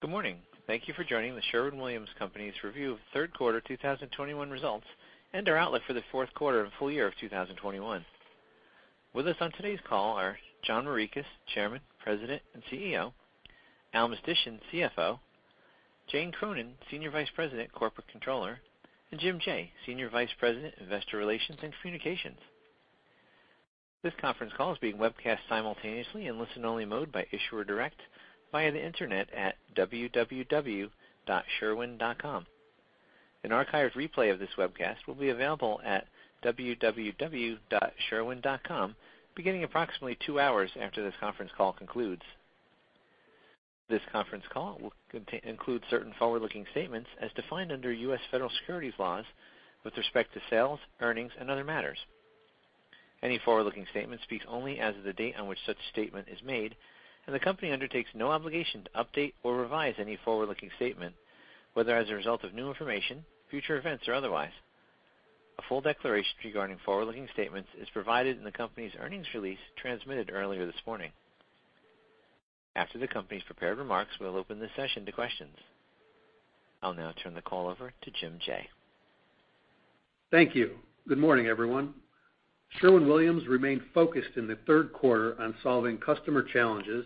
Good morning. Thank you for joining The Sherwin-Williams Company's review of third quarter 2021 results and our outlook for the fourth quarter and full year of 2021. With us on today's call are John Morikis, Chairman, President, and CEO, Al Mistysyn, CFO, Jane Cronin, Senior Vice President, Corporate Controller, and Jim Jaye, Senior Vice President, Investor Relations and Corporate Communications. This conference call is being webcast simultaneously in listen-only mode by Issuer Direct via the Internet at www.sherwin.com. An archived replay of this webcast will be available at www.sherwin.com beginning approximately two hours after this conference call concludes. This conference call will include certain forward-looking statements as defined under U.S. Federal Securities Laws with respect to sales, earnings, and other matters. Any forward-looking statement speaks only as of the date on which such statement is made, and the company undertakes no obligation to update or revise any forward-looking statement, whether as a result of new information, future events, or otherwise. A full declaration regarding forward-looking statements is provided in the company's earnings release transmitted earlier this morning. After the company's prepared remarks, we'll open the session to questions. I'll now turn the call over to Jim Jaye. Thank you. Good morning, everyone. Sherwin-Williams remained focused in the third quarter on solving customer challenges,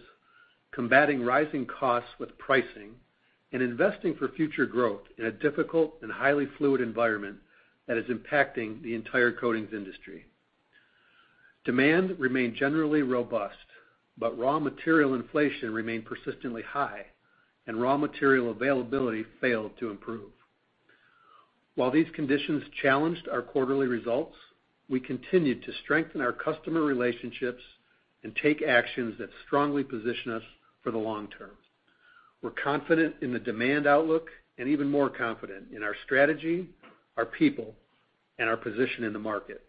combating rising costs with pricing, and investing for future growth in a difficult and highly fluid environment that is impacting the entire coatings industry. Demand remained generally robust, but raw material inflation remained persistently high, and raw material availability failed to improve. While these conditions challenged our quarterly results, we continued to strengthen our customer relationships and take actions that strongly position us for the long term. We're confident in the demand outlook and even more confident in our strategy, our people, and our position in the market.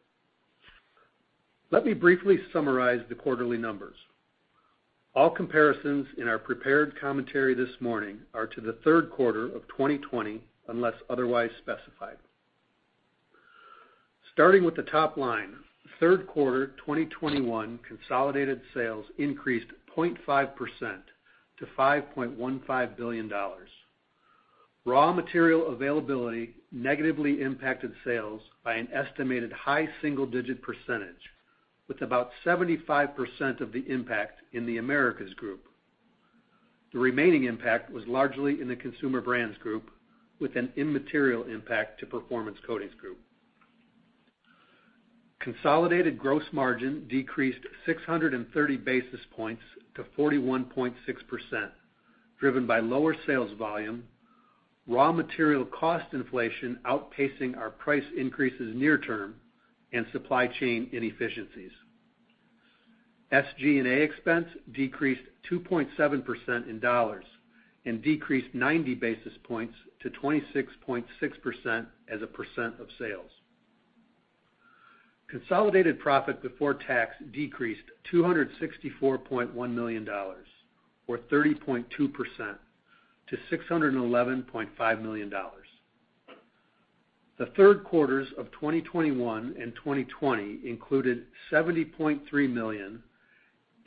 Let me briefly summarize the quarterly numbers. All comparisons in our prepared commentary this morning are to the third quarter of 2020 unless otherwise specified. Starting with the top line, third quarter 2021 consolidated sales increased 0.5% to $5.15 billion. Raw material availability negatively impacted sales by an estimated high single-digit percentage, with about 75% of the impact in The Americas Group. The remaining impact was largely in the Consumer Brands Group, with an immaterial impact to Performance Coatings Group. Consolidated gross margin decreased 630 basis points to 41.6%, driven by lower sales volume, raw material cost inflation outpacing our price increases near term, and supply chain inefficiencies. SG&A expense decreased 2.7% in dollars and decreased 90 basis points to 26.6% as a percent of sales. Consolidated profit before tax decreased $264.1 million, or 30.2% to $611.5 million. The third quarters of 2021 and 2020 included $70.3 million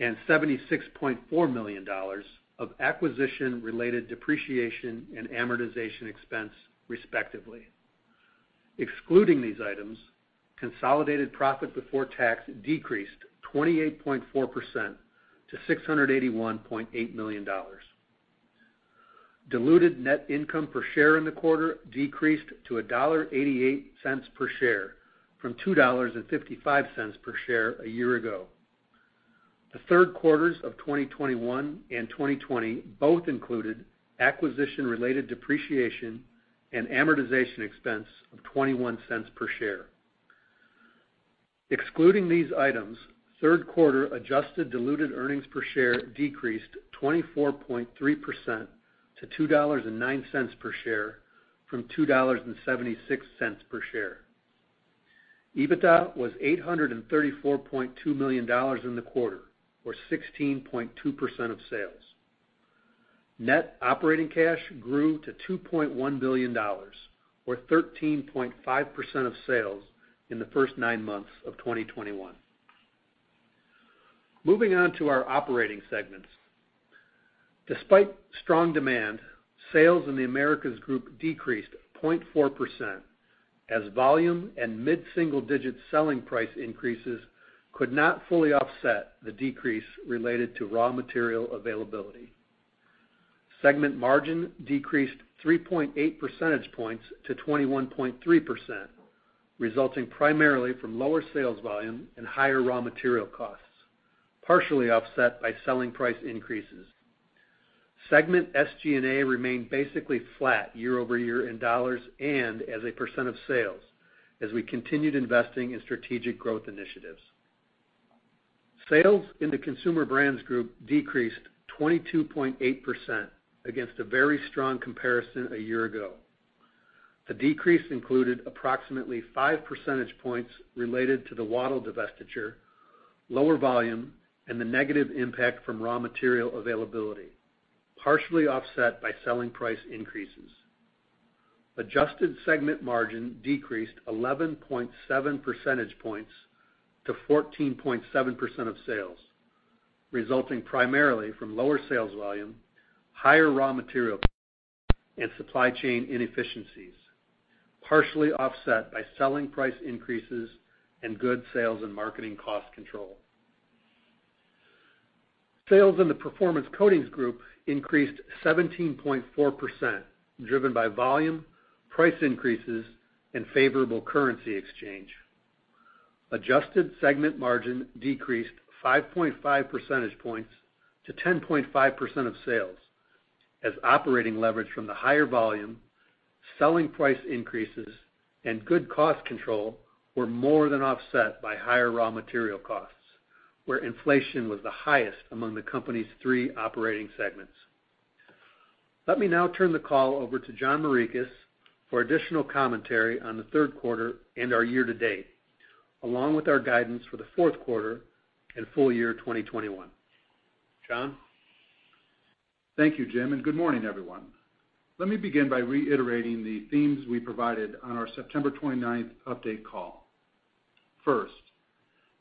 and $76.4 million of acquisition-related depreciation and amortization expense, respectively. Excluding these items, consolidated profit before tax decreased 28.4% to $681.8 million. Diluted net income per share in the quarter decreased to $1.88 per share from $2.55 per share a year ago. The third quarters of 2021 and 2020 both included acquisition-related depreciation and amortization expense of $0.21 per share. Excluding these items, third quarter adjusted diluted earnings per share decreased 24.3% to $2.09 per share from $2.76 per share. EBITDA was $834.2 million in the quarter or 16.2% of sales. Net operating cash grew to $2.1 billion or 13.5% of sales in the first nine months of 2021. Moving on to our operating segments. Despite strong demand, sales in The Americas Group decreased 0.4% as volume and mid-single-digit selling price increases could not fully offset the decrease related to raw material availability. Segment margin decreased 3.8 percentage points to 21.3%, resulting primarily from lower sales volume and higher raw material costs, partially offset by selling price increases. Segment SG&A remained basically flat year-over-year in dollars and as a percent of sales as we continued investing in strategic growth initiatives. Sales in the Consumer Brands Group decreased 22.8% against a very strong comparison a year ago. The decrease included approximately 5 percentage points related to the Wattyl divestiture, lower volume, and the negative impact from raw material availability, partially offset by selling price increases. Adjusted segment margin decreased 11.7 percentage points to 14.7% of sales, resulting primarily from lower sales volume, higher raw material, and supply chain inefficiencies, partially offset by selling price increases and good sales and marketing cost control. Sales in the Performance Coatings Group increased 17.4%, driven by volume, price increases and favorable currency exchange. Adjusted segment margin decreased 5.5 percentage points to 10.5% of sales as operating leverage from the higher volume, selling price increases and good cost control were more than offset by higher raw material costs, where inflation was the highest among the company's three operating segments. Let me now turn the call over to John Morikis for additional commentary on the third quarter and our year-to-date, along with our guidance for the fourth quarter and full year 2021. John. Thank you, Jim, and good morning, everyone. Let me begin by reiterating the themes we provided on our September 29th update call. First,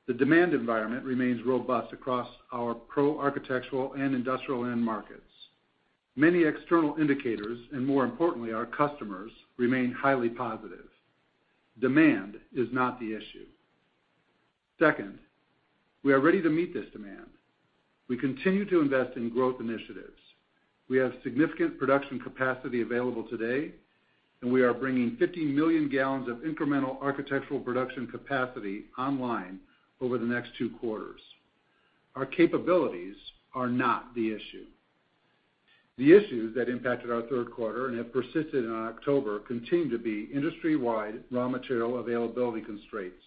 the demand environment remains robust across our pro-architectural and industrial end markets. Many external indicators, and more importantly, our customers, remain highly positive. Demand is not the issue. Second, we are ready to meet this demand. We continue to invest in growth initiatives. We have significant production capacity available today, and we are bringing 50 million gal of incremental architectural production capacity online over the next two quarters. Our capabilities are not the issue. The issues that impacted our third quarter and have persisted in October continue to be industry-wide raw material availability constraints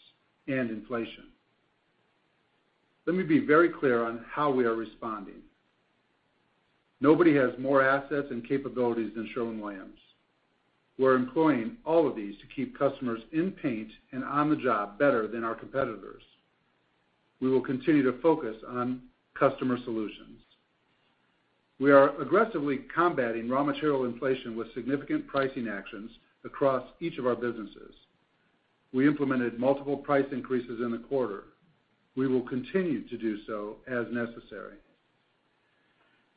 and inflation. Let me be very clear on how we are responding. Nobody has more assets and capabilities than Sherwin-Williams. We're employing all of these to keep customers in paint and on the job better than our competitors. We will continue to focus on customer solutions. We are aggressively combating raw material inflation with significant pricing actions across each of our businesses. We implemented multiple price increases in the quarter. We will continue to do so as necessary.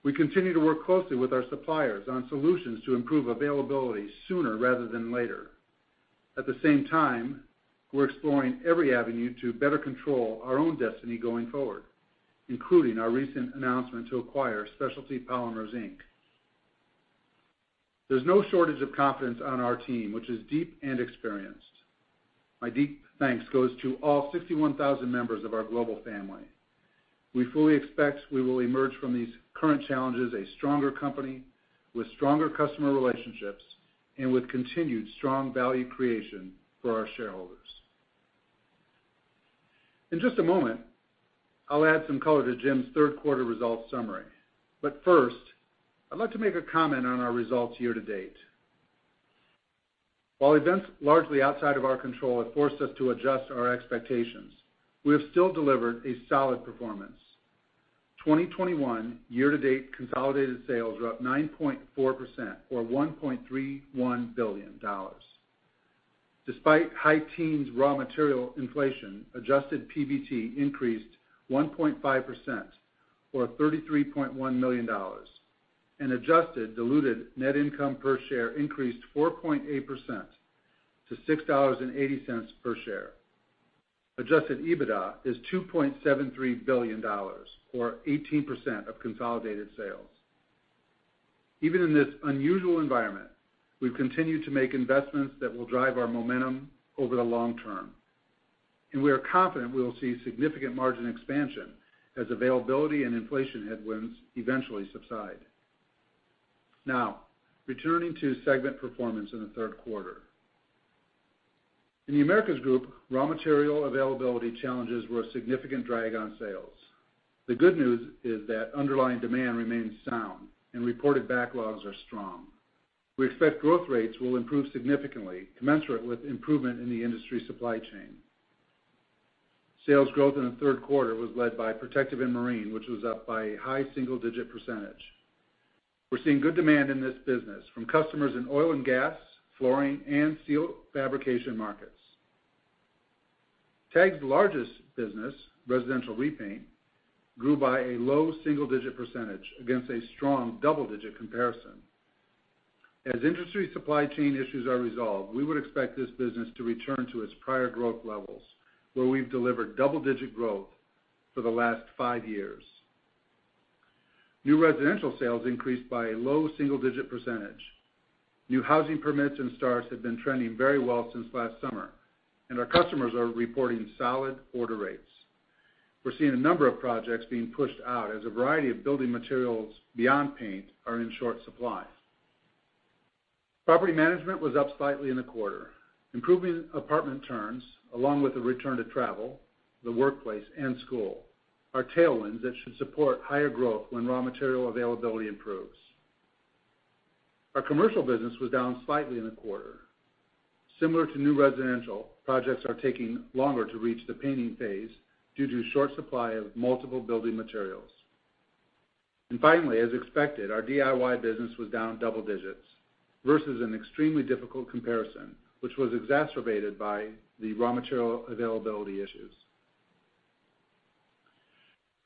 We continue to work closely with our suppliers on solutions to improve availability sooner rather than later. At the same time, we're exploring every avenue to better control our own destiny going forward, including our recent announcement to acquire Specialty Polymers, Inc. There's no shortage of confidence on our team, which is deep and experienced. My deep thanks goes to all 61,000 members of our global family. We fully expect we will emerge from these current challenges a stronger company with stronger customer relationships and with continued strong value creation for our shareholders. In just a moment, I'll add some color to Jim's third quarter results summary. But first, I'd like to make a comment on our results year-to-date. While events largely outside of our control have forced us to adjust our expectations, we have still delivered a solid performance. 2021 year-to-date consolidated sales are up 9.4% or $1.31 billion. Despite high teens raw material inflation, adjusted PBT increased 1.5% or $33.1 million. Adjusted diluted net income per share increased 4.8% to $6.80 per share. Adjusted EBITDA is $2.73 billion or 18% of consolidated sales. Even in this unusual environment, we've continued to make investments that will drive our momentum over the long term, and we are confident we will see significant margin expansion as availability and inflation headwinds eventually subside. Now, returning to segment performance in the third quarter. In The Americas Group, raw material availability challenges were a significant drag on sales. The good news is that underlying demand remains sound and reported backlogs are strong. We expect growth rates will improve significantly commensurate with improvement in the industry supply chain. Sales growth in the third quarter was led by Protective & Marine, which was up by a high single-digit percentage. We're seeing good demand in this business from customers in oil and gas, flooring, and steel fabrication markets. TAG's largest business, residential repaint, grew by a low single-digit percentage against a strong double-digit comparison. As industry supply chain issues are resolved, we would expect this business to return to its prior growth levels, where we've delivered double-digit growth for the last five years. New residential sales increased by a low single-digit percentage. New housing permits and starts have been trending very well since last summer, and our customers are reporting solid order rates. We're seeing a number of projects being pushed out as a variety of building materials beyond paint are in short supply. Property management was up slightly in the quarter. Improving apartment turns, along with the return to travel, the workplace, and school, are tailwinds that should support higher growth when raw material availability improves. Our commercial business was down slightly in the quarter. Similar to new residential, projects are taking longer to reach the painting phase due to short supply of multiple building materials. Finally, as expected, our DIY business was down double digits versus an extremely difficult comparison, which was exacerbated by the raw material availability issues.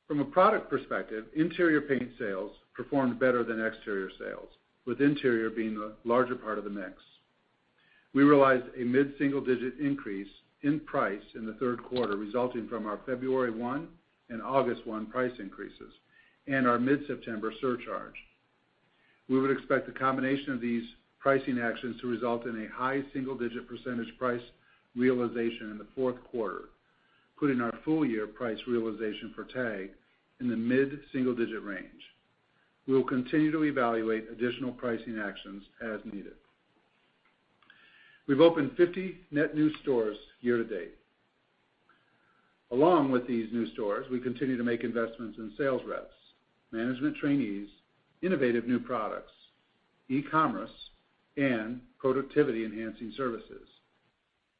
From a product perspective, interior paint sales performed better than exterior sales, with interior being the larger part of the mix. We realized a mid-single digit increase in price in the third quarter, resulting from our February 1 and August 1 price increases and our mid-September surcharge. We would expect the combination of these pricing actions to result in a high single-digit percentage price realization in the fourth quarter, putting our full year price realization for TAG in the mid-single digit range. We will continue to evaluate additional pricing actions as needed. We've opened 50 net new stores year-to-date. Along with these new stores, we continue to make investments in sales reps, management trainees, innovative new products, e-commerce, and productivity enhancing services.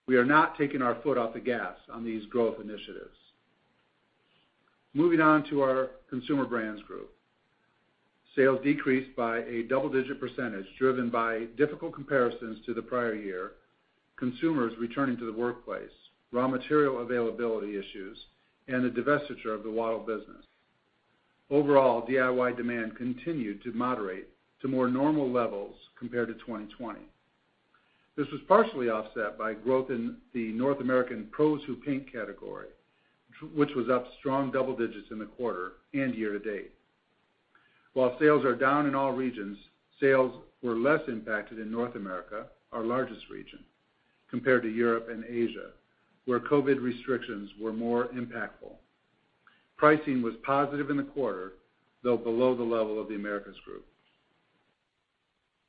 We are not taking our foot off the gas on these growth initiatives. Moving on to our Consumer Brands Group. Sales decreased by a double-digit percentage, driven by difficult comparisons to the prior year, consumers returning to the workplace, raw material availability issues, and the divestiture of the Wattyl business. Overall, DIY demand continued to moderate to more normal levels compared to 2020. This was partially offset by growth in the North American Pros Who Paint category, which was up strong double digits in the quarter and year-to-date. While sales are down in all regions, sales were less impacted in North America, our largest region, compared to Europe and Asia, where COVID restrictions were more impactful. Pricing was positive in the quarter, though below the level of the Americas Group.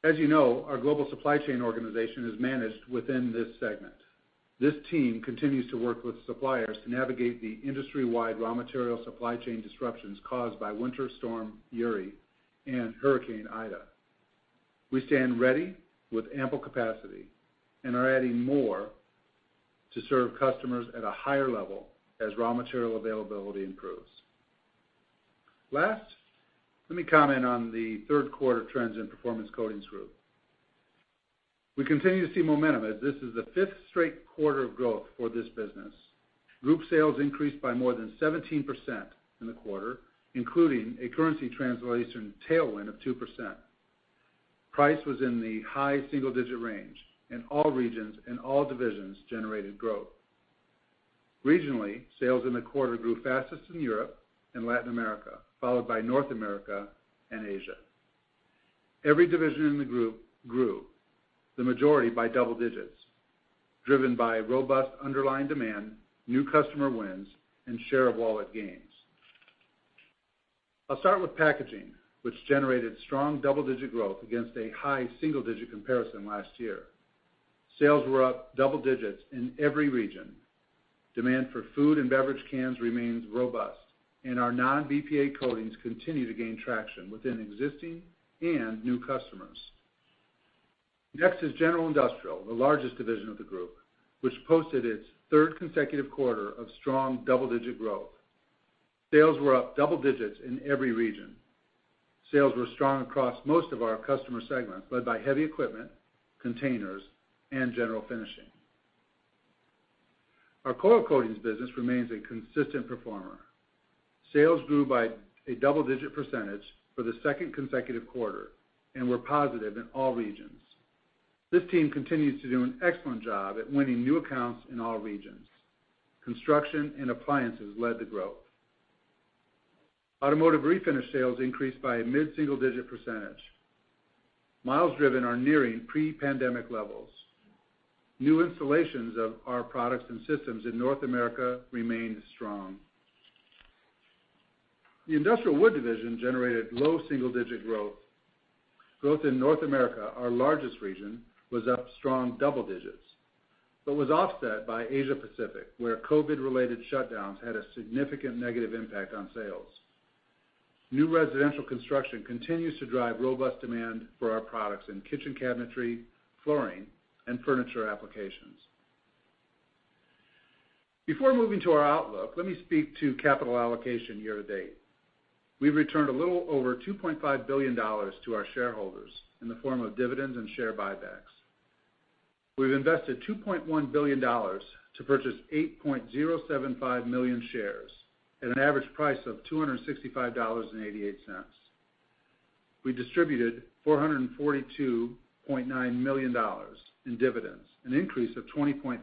As you know, our global supply chain organization is managed within this segment. This team continues to work with suppliers to navigate the industry-wide raw material supply chain disruptions caused by Winter Storm Uri and Hurricane Ida. We stand ready with ample capacity and are adding more to serve customers at a higher level as raw material availability improves. Last, let me comment on the third quarter trends in Performance Coatings Group. We continue to see momentum as this is the fifth straight quarter of growth for this business. Group sales increased by more than 17% in the quarter, including a currency translation tailwind of 2%. Price was in the high single digit range, and all regions and all divisions generated growth. Regionally, sales in the quarter grew fastest in Europe and Latin America, followed by North America and Asia. Every division in the group grew, the majority by double digits, driven by robust underlying demand, new customer wins, and share of wallet gains. I'll start with packaging, which generated strong double-digit growth against a high single-digit comparison last year. Sales were up double digits in every region. Demand for food and beverage cans remains robust, and our non-BPA coatings continue to gain traction within existing and new customers. Next is general industrial, the largest division of the group, which posted its third consecutive quarter of strong double-digit growth. Sales were up double digits in every region. Sales were strong across most of our customer segments, led by heavy equipment, containers, and general finishing. Our Coil Coatings business remains a consistent performer. Sales grew by a double-digit percentage for the second consecutive quarter and were positive in all regions. This team continues to do an excellent job at winning new accounts in all regions. Construction and appliances led the growth. Automotive Refinish sales increased by a mid-single-digit percentage. Miles driven are nearing pre-pandemic levels. New installations of our products and systems in North America remain strong. The Industrial Wood Division generated low single-digit growth. Growth in North America, our largest region, was up strong double-digit, but was offset by Asia Pacific, where COVID-related shutdowns had a significant negative impact on sales. New residential construction continues to drive robust demand for our products in kitchen cabinetry, flooring, and furniture applications. Before moving to our outlook, let me speak to capital allocation year-to-date. We've returned a little over $2.5 billion to our shareholders in the form of dividends and share buybacks. We've invested $2.1 billion to purchase 8.075 million shares at an average price of $265.88. We distributed $442.9 million in dividends, an increase of 20.4%.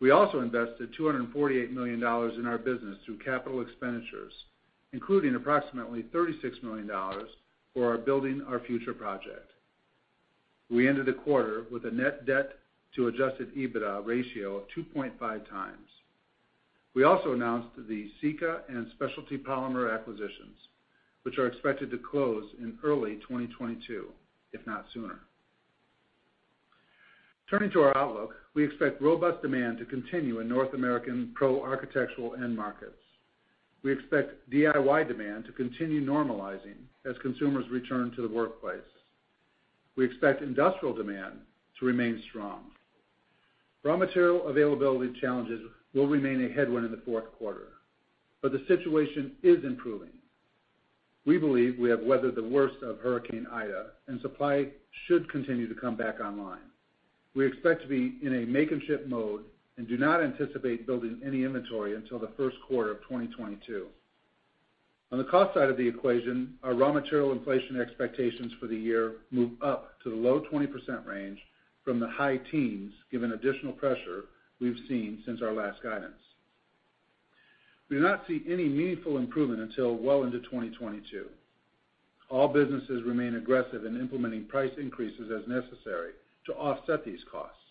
We also invested $248 million in our business through capital expenditures, including approximately $36 million for our Building Our Future project. We ended the quarter with a net debt to adjusted EBITDA ratio of 2.5x. We also announced the Sika and Specialty Polymers acquisitions, which are expected to close in early 2022, if not sooner. Turning to our outlook, we expect robust demand to continue in North American pro architectural end markets. We expect DIY demand to continue normalizing as consumers return to the workplace. We expect industrial demand to remain strong. Raw material availability challenges will remain a headwind in the fourth quarter, but the situation is improving. We believe we have weathered the worst of Hurricane Ida and supply should continue to come back online. We expect to be in a make-and-ship mode and do not anticipate building any inventory until the first quarter of 2022. On the cost side of the equation, our raw material inflation expectations for the year move up to the low 20% range from the high teens, given additional pressure we've seen since our last guidance. We do not see any meaningful improvement until well into 2022. All businesses remain aggressive in implementing price increases as necessary to offset these costs.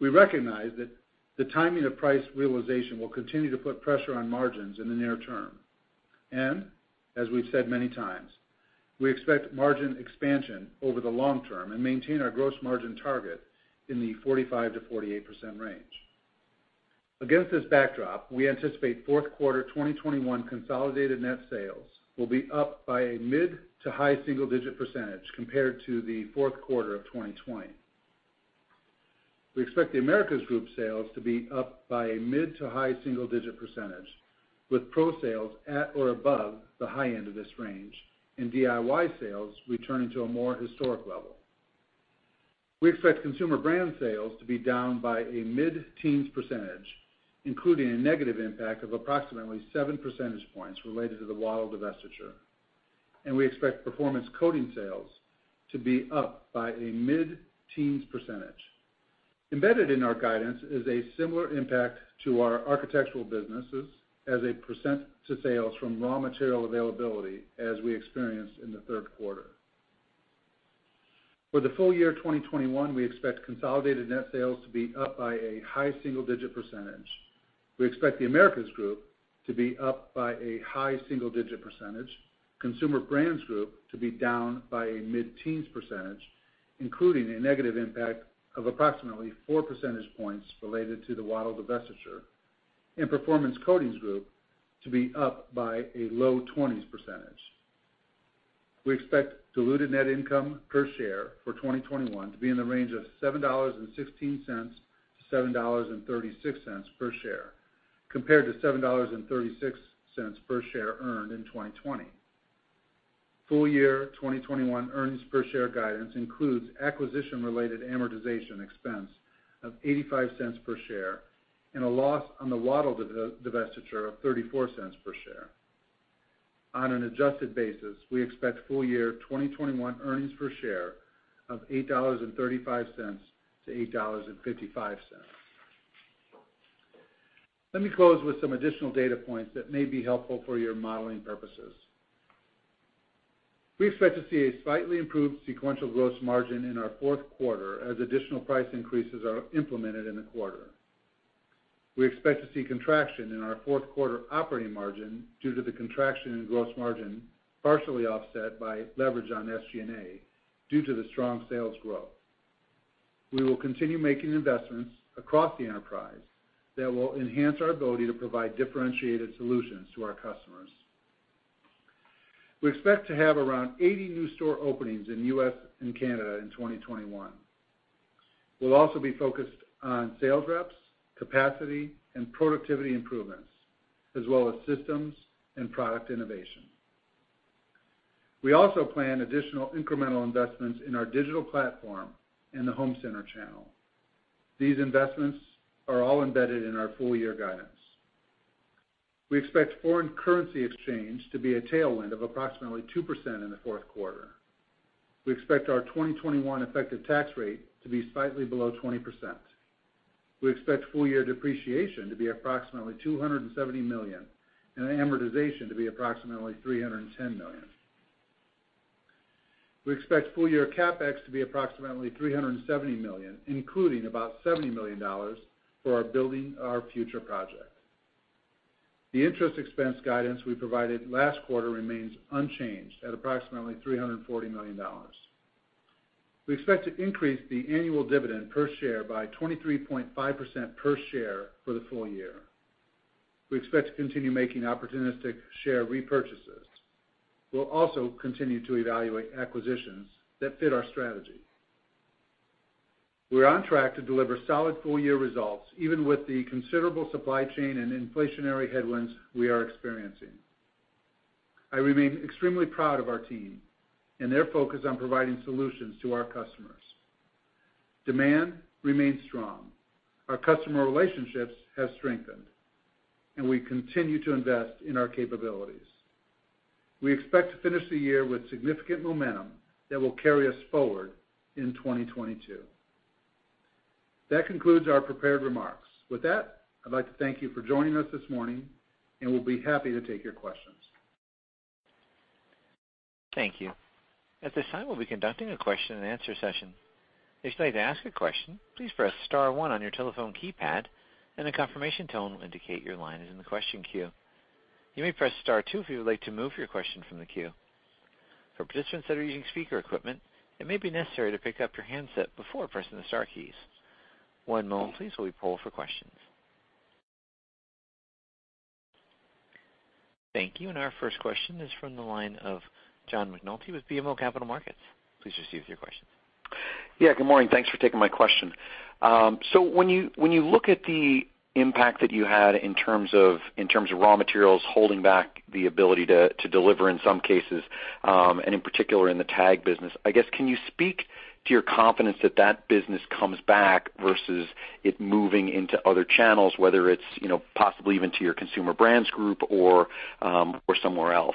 We recognize that the timing of price realization will continue to put pressure on margins in the near term. As we've said many times, we expect margin expansion over the long term and maintain our gross margin target in the 45%-48% range. Against this backdrop, we anticipate fourth quarter 2021 consolidated net sales will be up by a mid- to high-single-digit percentage compared to the fourth quarter of 2020. We expect The Americas Group sales to be up by a mid- to high-single-digit percentage, with pro sales at or above the high end of this range and DIY sales returning to a more historic level. We expect Consumer Brands sales to be down by a mid-teens percentage, including a negative impact of approximately 7 percentage points related to the Wattyl divestiture, and we expect Performance Coatings sales to be up by a mid-teens percentage. Embedded in our guidance is a similar impact to our architectural businesses as a percentage of sales from raw material availability as we experienced in the third quarter. For the full year 2021, we expect consolidated net sales to be up by a high single-digit percentage. We expect the Americas Group to be up by a high single-digit percentage, Consumer Brands Group to be down by a mid-teens percentage, including a negative impact of approximately 4 percentage points related to the Wattyl divestiture, and Performance Coatings Group to be up by a low 20%. We expect diluted net income per share for 2021 to be in the range of $7.16-$7.36 per share, compared to $7.36 per share earned in 2020. Full year 2021 earnings per share guidance includes acquisition-related amortization expense of $0.85 per share and a loss on the Wattyl divestiture of $0.34 per share. On an adjusted basis, we expect full year 2021 earnings per share of $8.35-$8.55. Let me close with some additional data points that may be helpful for your modeling purposes. We expect to see a slightly improved sequential gross margin in our fourth quarter as additional price increases are implemented in the quarter. We expect to see contraction in our fourth quarter operating margin due to the contraction in gross margin, partially offset by leverage on SG&A due to the strong sales growth. We will continue making investments across the enterprise that will enhance our ability to provide differentiated solutions to our customers. We expect to have around 80 new store openings in U.S. and Canada in 2021. We'll also be focused on sales reps, capacity, and productivity improvements, as well as systems and product innovation. We also plan additional incremental investments in our digital platform in the home center channel. These investments are all embedded in our full year guidance. We expect foreign currency exchange to be a tailwind of approximately 2% in the fourth quarter. We expect our 2021 effective tax rate to be slightly below 20%. We expect full year depreciation to be approximately $270 million and amortization to be approximately $310 million. We expect full year CapEx to be approximately $370 million, including about $70 million for our Building Our Future project. The interest expense guidance we provided last quarter remains unchanged at approximately $340 million. We expect to increase the annual dividend per share by 23.5% per share for the full year. We expect to continue making opportunistic share repurchases. We'll also continue to evaluate acquisitions that fit our strategy. We're on track to deliver solid full year results, even with the considerable supply chain and inflationary headwinds we are experiencing. I remain extremely proud of our team and their focus on providing solutions to our customers. Demand remains strong. Our customer relationships have strengthened, and we continue to invest in our capabilities. We expect to finish the year with significant momentum that will carry us forward in 2022. That concludes our prepared remarks. With that, I'd like to thank you for joining us this morning, and we'll be happy to take your questions. Thank you. Our first question is from the line of John McNulty with BMO Capital Markets. Please proceed with your question. Yeah, good morning. Thanks for taking my question. So when you look at the impact that you had in terms of raw materials holding back the ability to deliver in some cases, and in particular in the TAG business, I guess, can you speak to your confidence that that business comes back versus it moving into other channels, whether it's, you know, possibly even to your Consumer Brands Group or somewhere else?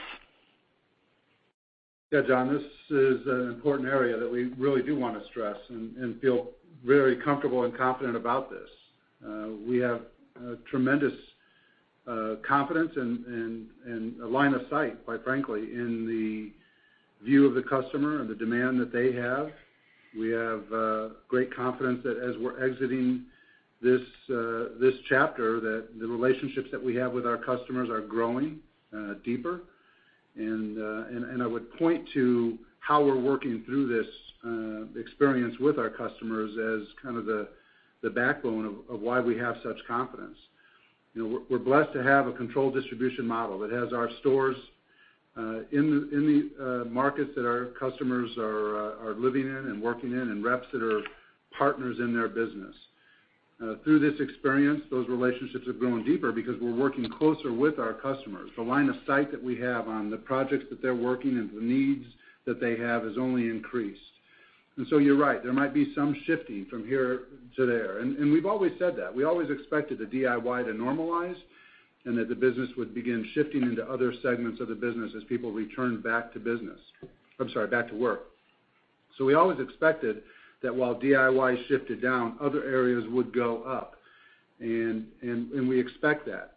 Yeah, John, this is an important area that we really do wanna stress and feel very comfortable and confident about this. We have tremendous confidence and a line of sight, quite frankly, in the view of the customer and the demand that they have. We have great confidence that as we're exiting this chapter, that the relationships that we have with our customers are growing deeper. I would point to how we're working through this experience with our customers as kind of the backbone of why we have such confidence. You know, we're blessed to have a controlled distribution model that has our stores in the markets that our customers are living in and working in and reps that are partners in their business. Through this experience, those relationships have grown deeper because we're working closer with our customers. The line of sight that we have on the projects that they're working and the needs that they have has only increased. You're right, there might be some shifting from here to there. We've always said that. We always expected the DIY to normalize, and that the business would begin shifting into other segments of the business as people return back to work. We always expected that while DIY shifted down, other areas would go up. We expect that.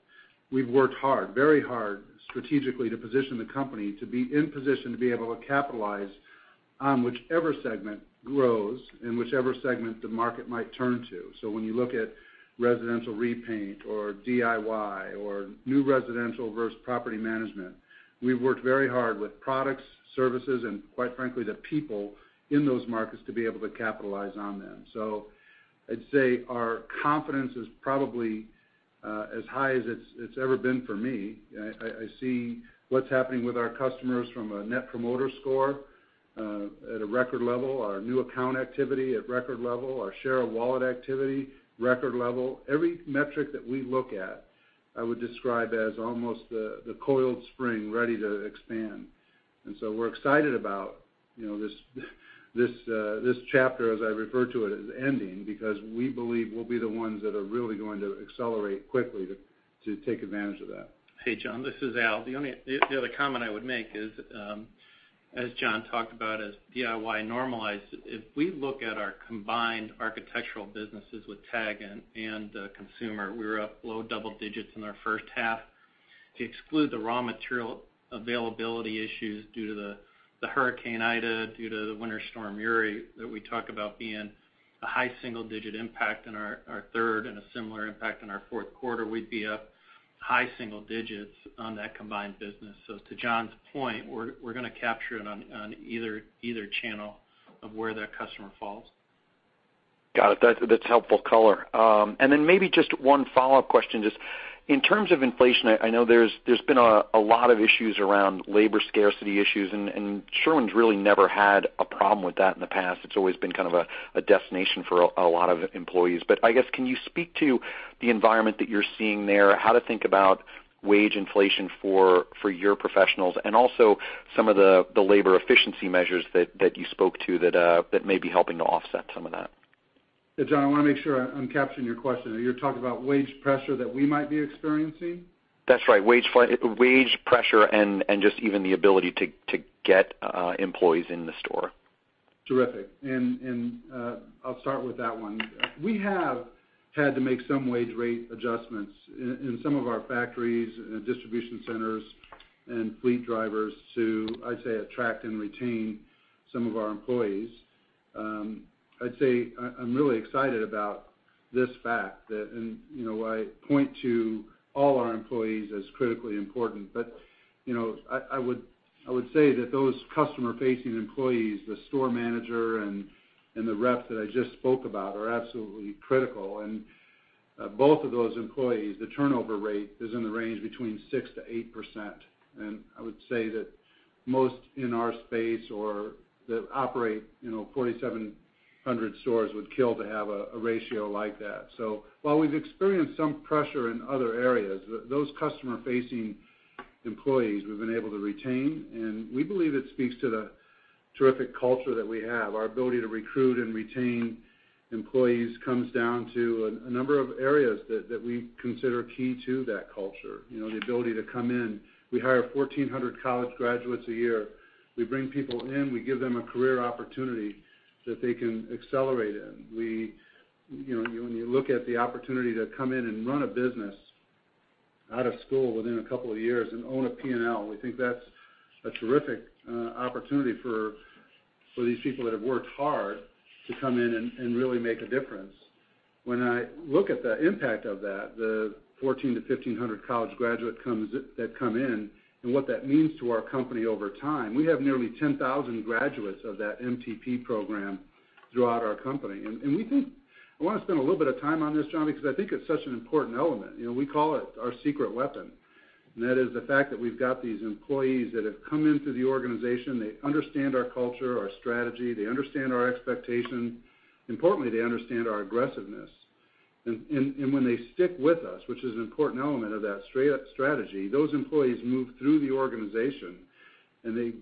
We've worked hard, very hard strategically to position the company to be in position to be able to capitalize on whichever segment grows and whichever segment the market might turn to. When you look at residential repaint or DIY or new residential versus property management, we've worked very hard with products, services, and quite frankly, the people in those markets to be able to capitalize on them. I'd say our confidence is probably as high as it's ever been for me. I see what's happening with our customers from a Net Promoter Score at a record level, our new account activity at record level, our share of wallet activity, record level. Every metric that we look at, I would describe as almost the coiled spring ready to expand. We're excited about, you know, this chapter, as I refer to it, as ending because we believe we'll be the ones that are really going to accelerate quickly to take advantage of that. Hey, John, this is Al. The only comment I would make is, as John talked about as DIY normalized, if we look at our combined architectural businesses with TAG and Consumer, we were up low double digits in our first half. To exclude the raw material availability issues due to the Hurricane Ida, due to the Winter Storm Uri that we talk about being a high single digit impact in our third and a similar impact in our fourth quarter, we'd be up high single digits on that combined business. To John's point, we're gonna capture it on either channel of where that customer falls. Got it. That's helpful color. Then maybe just one follow-up question. Just in terms of inflation, I know there's been a lot of issues around labor scarcity issues, and Sherwin's really never had a problem with that in the past. It's always been kind of a destination for a lot of employees. I guess, can you speak to the environment that you're seeing there, how to think about wage inflation for your professionals and also some of the labor efficiency measures that you spoke to that may be helping to offset some of that? Yeah, John, I wanna make sure I'm capturing your question. Are you talking about wage pressure that we might be experiencing? That's right. Wage pressure and just even the ability to get employees in the store. Terrific. I'll start with that one. We have had to make some wage rate adjustments in some of our factories and distribution centers and fleet drivers to, I'd say, attract and retain some of our employees. I'd say I'm really excited about this fact that, you know, I point to all our employees as critically important. You know, I would say that those customer-facing employees, the store manager and the reps that I just spoke about are absolutely critical. Both of those employees, the turnover rate is in the range between 6%-8%. I would say that most in our space or that operate, you know, 4,700 stores would kill to have a ratio like that. While we've experienced some pressure in other areas, those customer-facing employees we've been able to retain, and we believe it speaks to the terrific culture that we have. Our ability to recruit and retain employees comes down to a number of areas that we consider key to that culture. You know, the ability to come in. We hire 1,400 college graduates a year. We bring people in, we give them a career opportunity that they can accelerate in. You know, when you look at the opportunity to come in and run a business out of school within a couple of years and own a P&L, we think that's a terrific opportunity for these people that have worked hard to come in and really make a difference. When I look at the impact of that, the 1,400-1,500 college graduates that come in and what that means to our company over time, we have nearly 10,000 graduates of that MTP program throughout our company. We think I wanna spend a little bit of time on this, John, because I think it's such an important element. You know, we call it our secret weapon, and that is the fact that we've got these employees that have come into the organization. They understand our culture, our strategy. They understand our expectation. Importantly, they understand our aggressiveness. When they stick with us, which is an important element of that straight up strategy, those employees move through the organization, and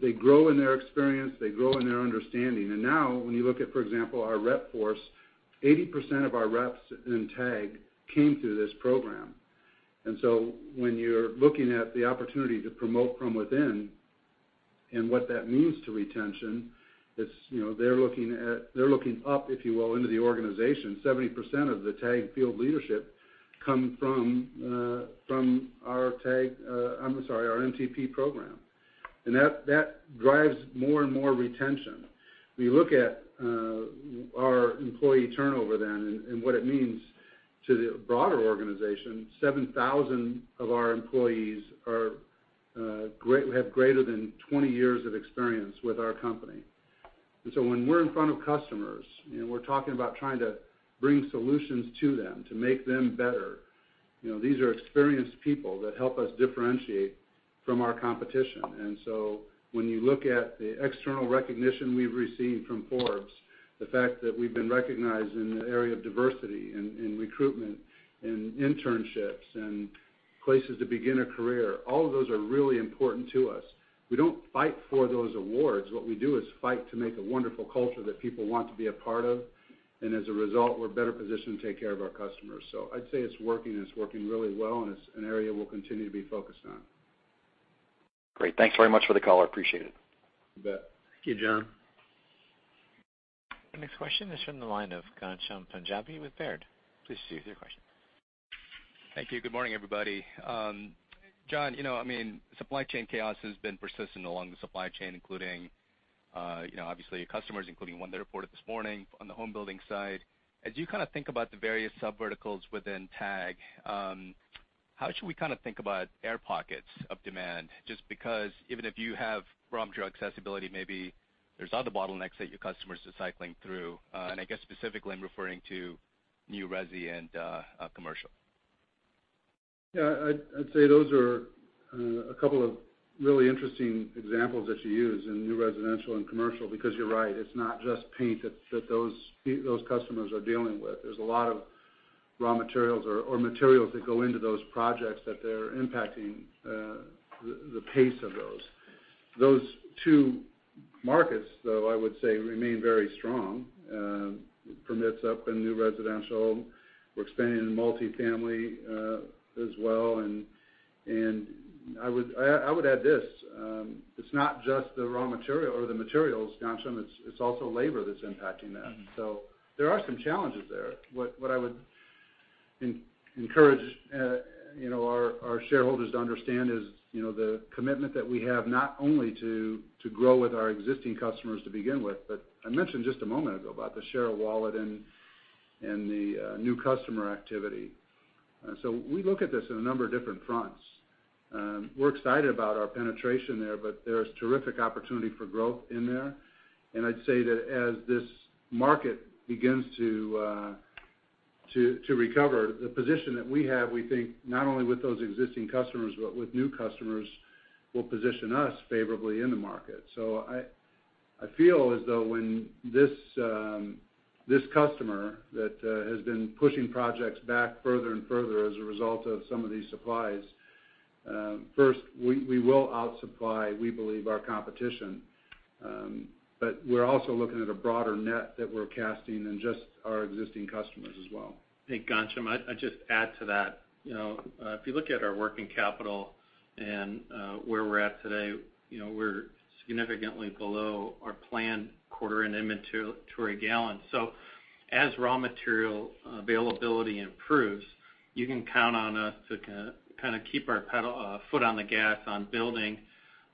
they grow in their experience, they grow in their understanding. Now, when you look at, for example, our rep force, 80% of our reps in TAG came through this program. When you're looking at the opportunity to promote from within and what that means to retention, it's, you know, they're looking up, if you will, into the organization. 70% of the TAG field leadership come from our TAG, I'm sorry, our MTP program. That drives more and more retention. We look at our employee turnover then and what it means to the broader organization. 7,000 of our employees have greater than 20 years of experience with our company. When we're in front of customers and we're talking about trying to bring solutions to them to make them better, you know, these are experienced people that help us differentiate from our competition. When you look at the external recognition we've received from Forbes, the fact that we've been recognized in the area of diversity, in recruitment, in internships, and places to begin a career, all of those are really important to us. We don't fight for those awards. What we do is fight to make a wonderful culture that people want to be a part of. As a result, we're better positioned to take care of our customers. I'd say it's working, and it's working really well, and it's an area we'll continue to be focused on. Great. Thanks very much for the color. Appreciate it. You bet. Thank you, John. Our next question is from the line of Ghansham Panjabi with Baird. Please proceed with your question. Thank you. Good morning, everybody. John, you know, I mean, supply chain chaos has been persistent along the supply chain, including, you know, obviously your customers, including one that reported this morning on the home building side. As you kind of think about the various subverticals within TAG, how should we kind of think about air pockets of demand, just because even if you have raw material accessibility, maybe there's other bottlenecks that your customers are cycling through. I guess specifically I'm referring to new resi and commercial. Yeah. I'd say those are a couple of really interesting examples that you use in new residential and commercial because you're right, it's not just paint that those customers are dealing with. There's a lot of raw materials or materials that go into those projects that they're impacting the pace of those. Those two markets, though, I would say remain very strong. Permits up in new residential. We're expanding in multifamily as well. I would add this. It's not just the raw material or the materials, Ghansham, it's also labor that's impacting that. There are some challenges there. What I would encourage you know our shareholders to understand is you know the commitment that we have not only to grow with our existing customers to begin with but I mentioned just a moment ago about the share of wallet and the new customer activity. We look at this in a number of different fronts. We're excited about our penetration there but there's terrific opportunity for growth in there. I'd say that as this market begins to recover the position that we have we think not only with those existing customers but with new customers will position us favorably in the market. I feel as though when this customer that has been pushing projects back further and further as a result of some of these supplies, first, we will outsupply, we believe, our competition. We're also looking at a broader net that we're casting than just our existing customers as well. Hey, Ghansham. I'd just add to that. You know, if you look at our working capital and where we're at today, you know, we're significantly below our planned quarter-end inventory gallon. So as raw material availability improves, you can count on us to kind of keep our foot on the gas on building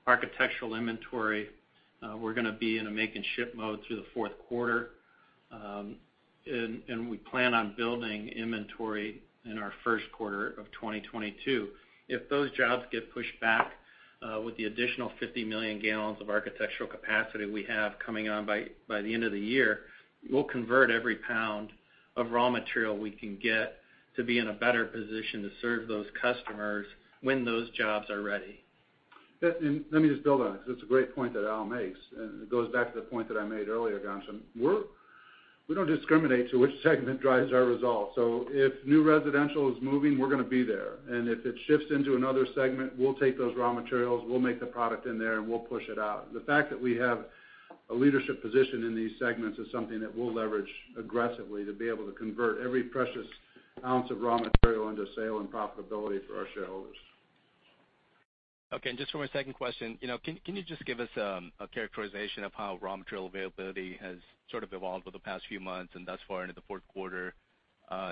architectural inventory. We're gonna be in a make-and-ship mode through the fourth quarter. And we plan on building inventory in our first quarter of 2022. If those jobs get pushed back, with the additional 50 million gal of architectural capacity we have coming on by the end of the year, we'll convert every pound of raw material we can get to be in a better position to serve those customers when those jobs are ready. Let me just build on it 'cause it's a great point that Al makes, and it goes back to the point that I made earlier, Ghansham. We don't discriminate to which segment drives our results. If new residential is moving, we're gonna be there. If it shifts into another segment, we'll take those raw materials, we'll make the product in there, and we'll push it out. The fact that we have a leadership position in these segments is something that we'll leverage aggressively to be able to convert every precious ounce of raw material into sale and profitability for our shareholders. Okay. Just for my second question, you know, can you just give us a characterization of how raw material availability has sort of evolved over the past few months and thus far into the fourth quarter,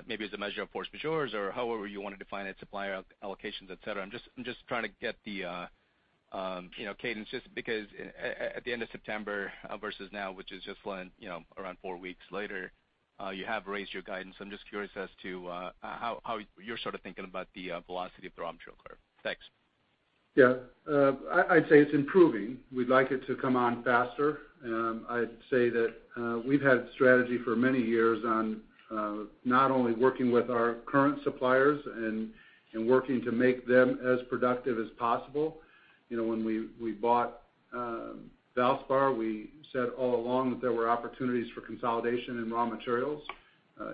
maybe as a measure of force majeures or however you wanna define it, supplier allocations, et cetera? I'm just trying to get the, you know, cadence just because at the end of September versus now, which is just around four weeks later, you have raised your guidance. I'm just curious as to how you're sort of thinking about the velocity of the raw material curve. Thanks. Yeah. I'd say it's improving. We'd like it to come on faster. I'd say that we've had strategy for many years on not only working with our current suppliers and working to make them as productive as possible. You know, when we bought Valspar, we said all along that there were opportunities for consolidation in raw materials.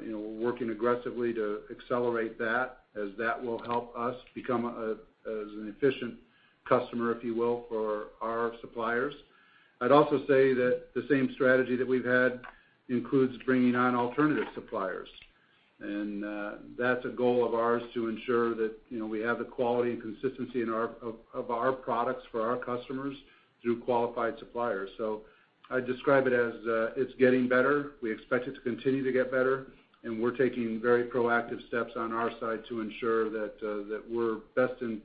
You know, we're working aggressively to accelerate that, as that will help us become as an efficient customer, if you will, for our suppliers. I'd also say that the same strategy that we've had includes bringing on alternative suppliers. That's a goal of ours to ensure that you know we have the quality and consistency of our products for our customers through qualified suppliers. I'd describe it as it's getting better. We expect it to continue to get better, and we're taking very proactive steps on our side to ensure that we're best in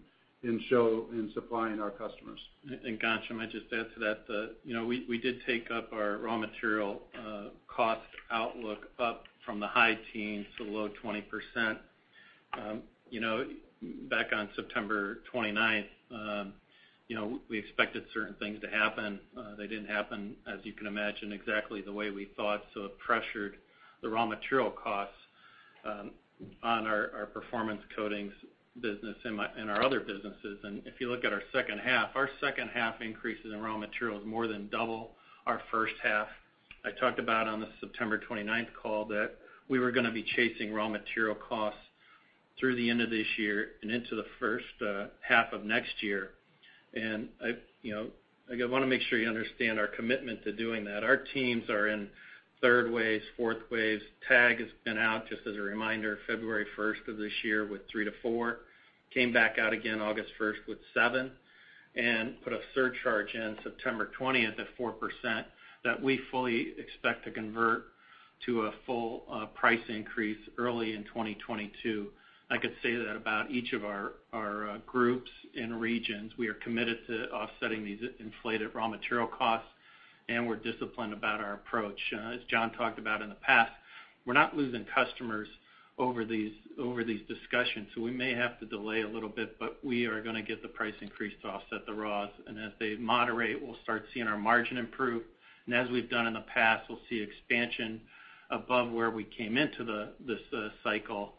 show in supplying our customers. Ghansham, I'd just add to that, you know, we did take up our raw material cost outlook up from the high teens to low 20%. You know, back on September 29th, you know, we expected certain things to happen. They didn't happen, as you can imagine, exactly the way we thought, so it pressured the raw material costs on our Performance Coatings business and our other businesses. If you look at our second half increases in raw materials more than double our first half. I talked about on the September 29th call that we were gonna be chasing raw material costs through the end of this year and into the first half of next year. I've you know again wanna make sure you understand our commitment to doing that. Our teams are in third waves, fourth waves. TAG has been out, just as a reminder, February 1 of this year with 3%-4%. Came back out again August 1st with 7%, and put a surcharge in September 20 at 4% that we fully expect to convert to a full price increase early in 2022. I could say that about each of our groups and regions. We are committed to offsetting these inflated raw material costs, and we're disciplined about our approach. As John talked about in the past, we're not losing customers over these discussions, so we may have to delay a little bit, but we are gonna get the price increase to offset the raws. As they moderate, we'll start seeing our margin improve. As we've done in the past, we'll see expansion above where we came into this cycle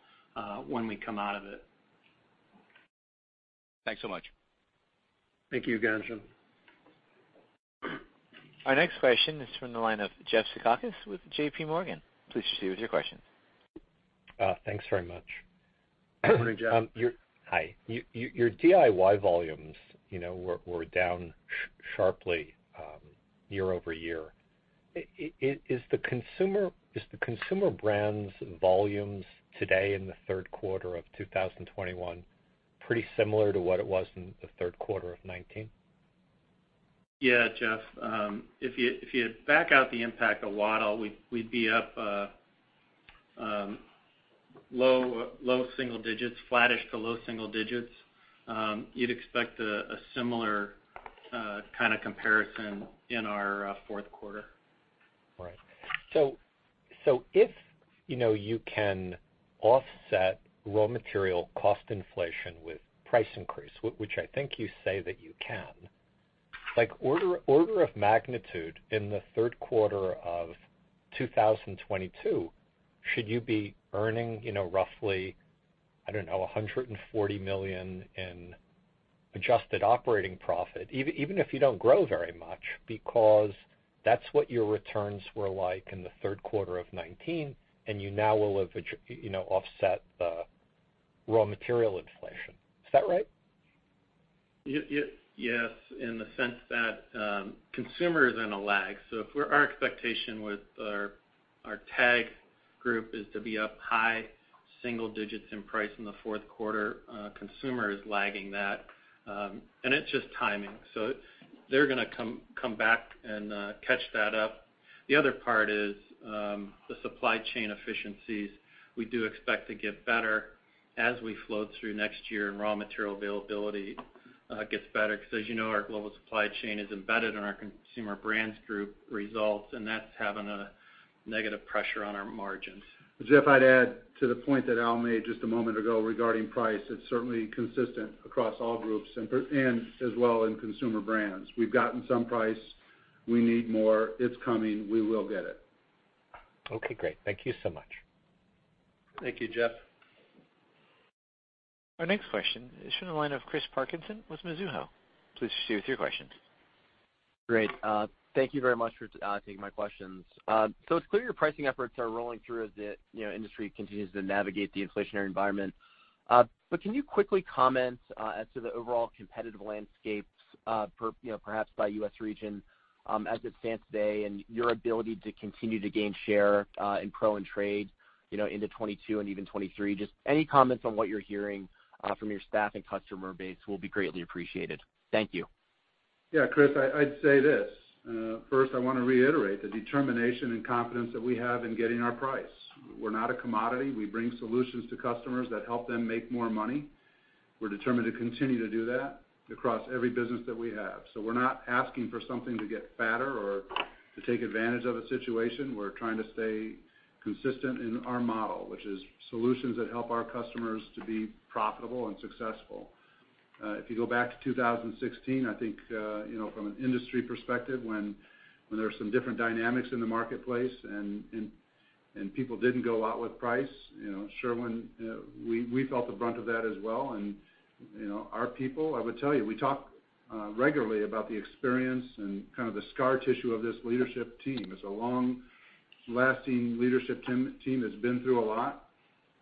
when we come out of it. Thanks so much. Thank you, Ghansham. Our next question is from the line of Jeffrey Zekauskas with JPMorgan. Please proceed with your question. Thanks very much. Good morning, Jeff. Hi. Your DIY volumes, you know, were down sharply year-over-year. Is the Consumer Brands volumes today in the third quarter of 2021 pretty similar to what it was in the third quarter of 2019? Yeah, Jeff. If you back out the impact of Wattyl, we'd be up low single digits, flattish to low single digits. You'd expect a similar kind of comparison in our fourth quarter. All right. If, you know, you can offset raw material cost inflation with price increase, which I think you say that you can, like order of magnitude in the third quarter of 2022, should you be earning, you know, roughly, I don't know, $140 million in adjusted operating profit, even if you don't grow very much? Because that's what your returns were like in the third quarter of 2019, and you now will have, you know, offset the raw material inflation. Is that right? Yes, in the sense that, Consumer is in a lag. Our expectation with our TAG group is to be up high single digits in price in the fourth quarter, Consumer is lagging that. It's just timing. They're gonna come back and catch that up. The other part is, the supply chain efficiencies, we do expect to get better as we flow through next year and raw material availability gets better. 'Cause as you know, our global supply chain is embedded in our Consumer Brands Group results, and that's having a negative pressure on our margins. Jeff, I'd add to the point that Al made just a moment ago regarding price. It's certainly consistent across all groups and as well in Consumer Brands. We've gotten some price. We need more. It's coming. We will get it. Okay, great. Thank you so much. Thank you, Jeff. Our next question is from the line of Chris Parkinson with Mizuho. Please proceed with your questions. Great. Thank you very much for taking my questions. It's clear your pricing efforts are rolling through as the, you know, industry continues to navigate the inflationary environment. Can you quickly comment as to the overall competitive landscapes per, you know, perhaps by U.S. region, as it stands today and your ability to continue to gain share in pro and trade, you know, into 2022 and even 2023? Just any comments on what you're hearing from your staff and customer base will be greatly appreciated. Thank you. Yeah, Chris, I'd say this. First, I wanna reiterate the determination and confidence that we have in getting our price. We're not a commodity. We bring solutions to customers that help them make more money. We're determined to continue to do that across every business that we have. So we're not asking for something to get fatter or to take advantage of a situation. We're trying to stay consistent in our model, which is solutions that help our customers to be profitable and successful. If you go back to 2016, I think, you know, from an industry perspective, when there were some different dynamics in the marketplace and people didn't go out with price, you know, Sherwin, we felt the brunt of that as well. You know, our people, I would tell you, we talk regularly about the experience and kind of the scar tissue of this leadership team. It's a long-lasting leadership team that's been through a lot,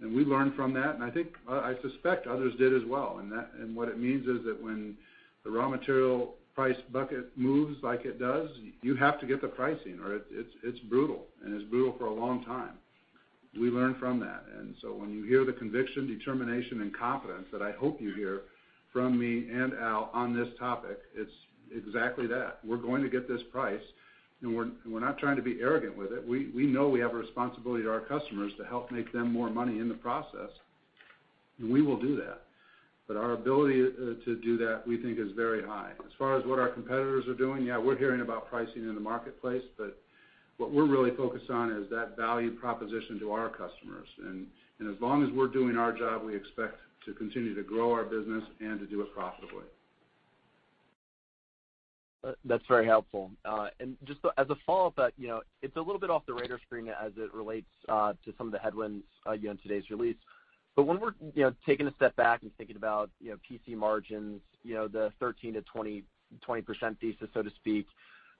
and we learned from that, and I think I suspect others did as well. What it means is that when the raw material price bucket moves like it does, you have to get the pricing or it's brutal, and it's brutal for a long time. We learn from that. When you hear the conviction, determination, and confidence that I hope you hear from me and Al on this topic, it's exactly that. We're going to get this price, and we're not trying to be arrogant with it. We know we have a responsibility to our customers to help make them more money in the process, and we will do that. Our ability to do that, we think, is very high. As far as what our competitors are doing, yeah, we're hearing about pricing in the marketplace, but what we're really focused on is that value proposition to our customers. As long as we're doing our job, we expect to continue to grow our business and to do it profitably. That's very helpful. Just as a follow-up, you know, it's a little bit off the radar screen as it relates to some of the headwinds, you know, in today's release. When we're, you know, taking a step back and thinking about, you know, PC margins, you know, the 13%-20% thesis, so to speak,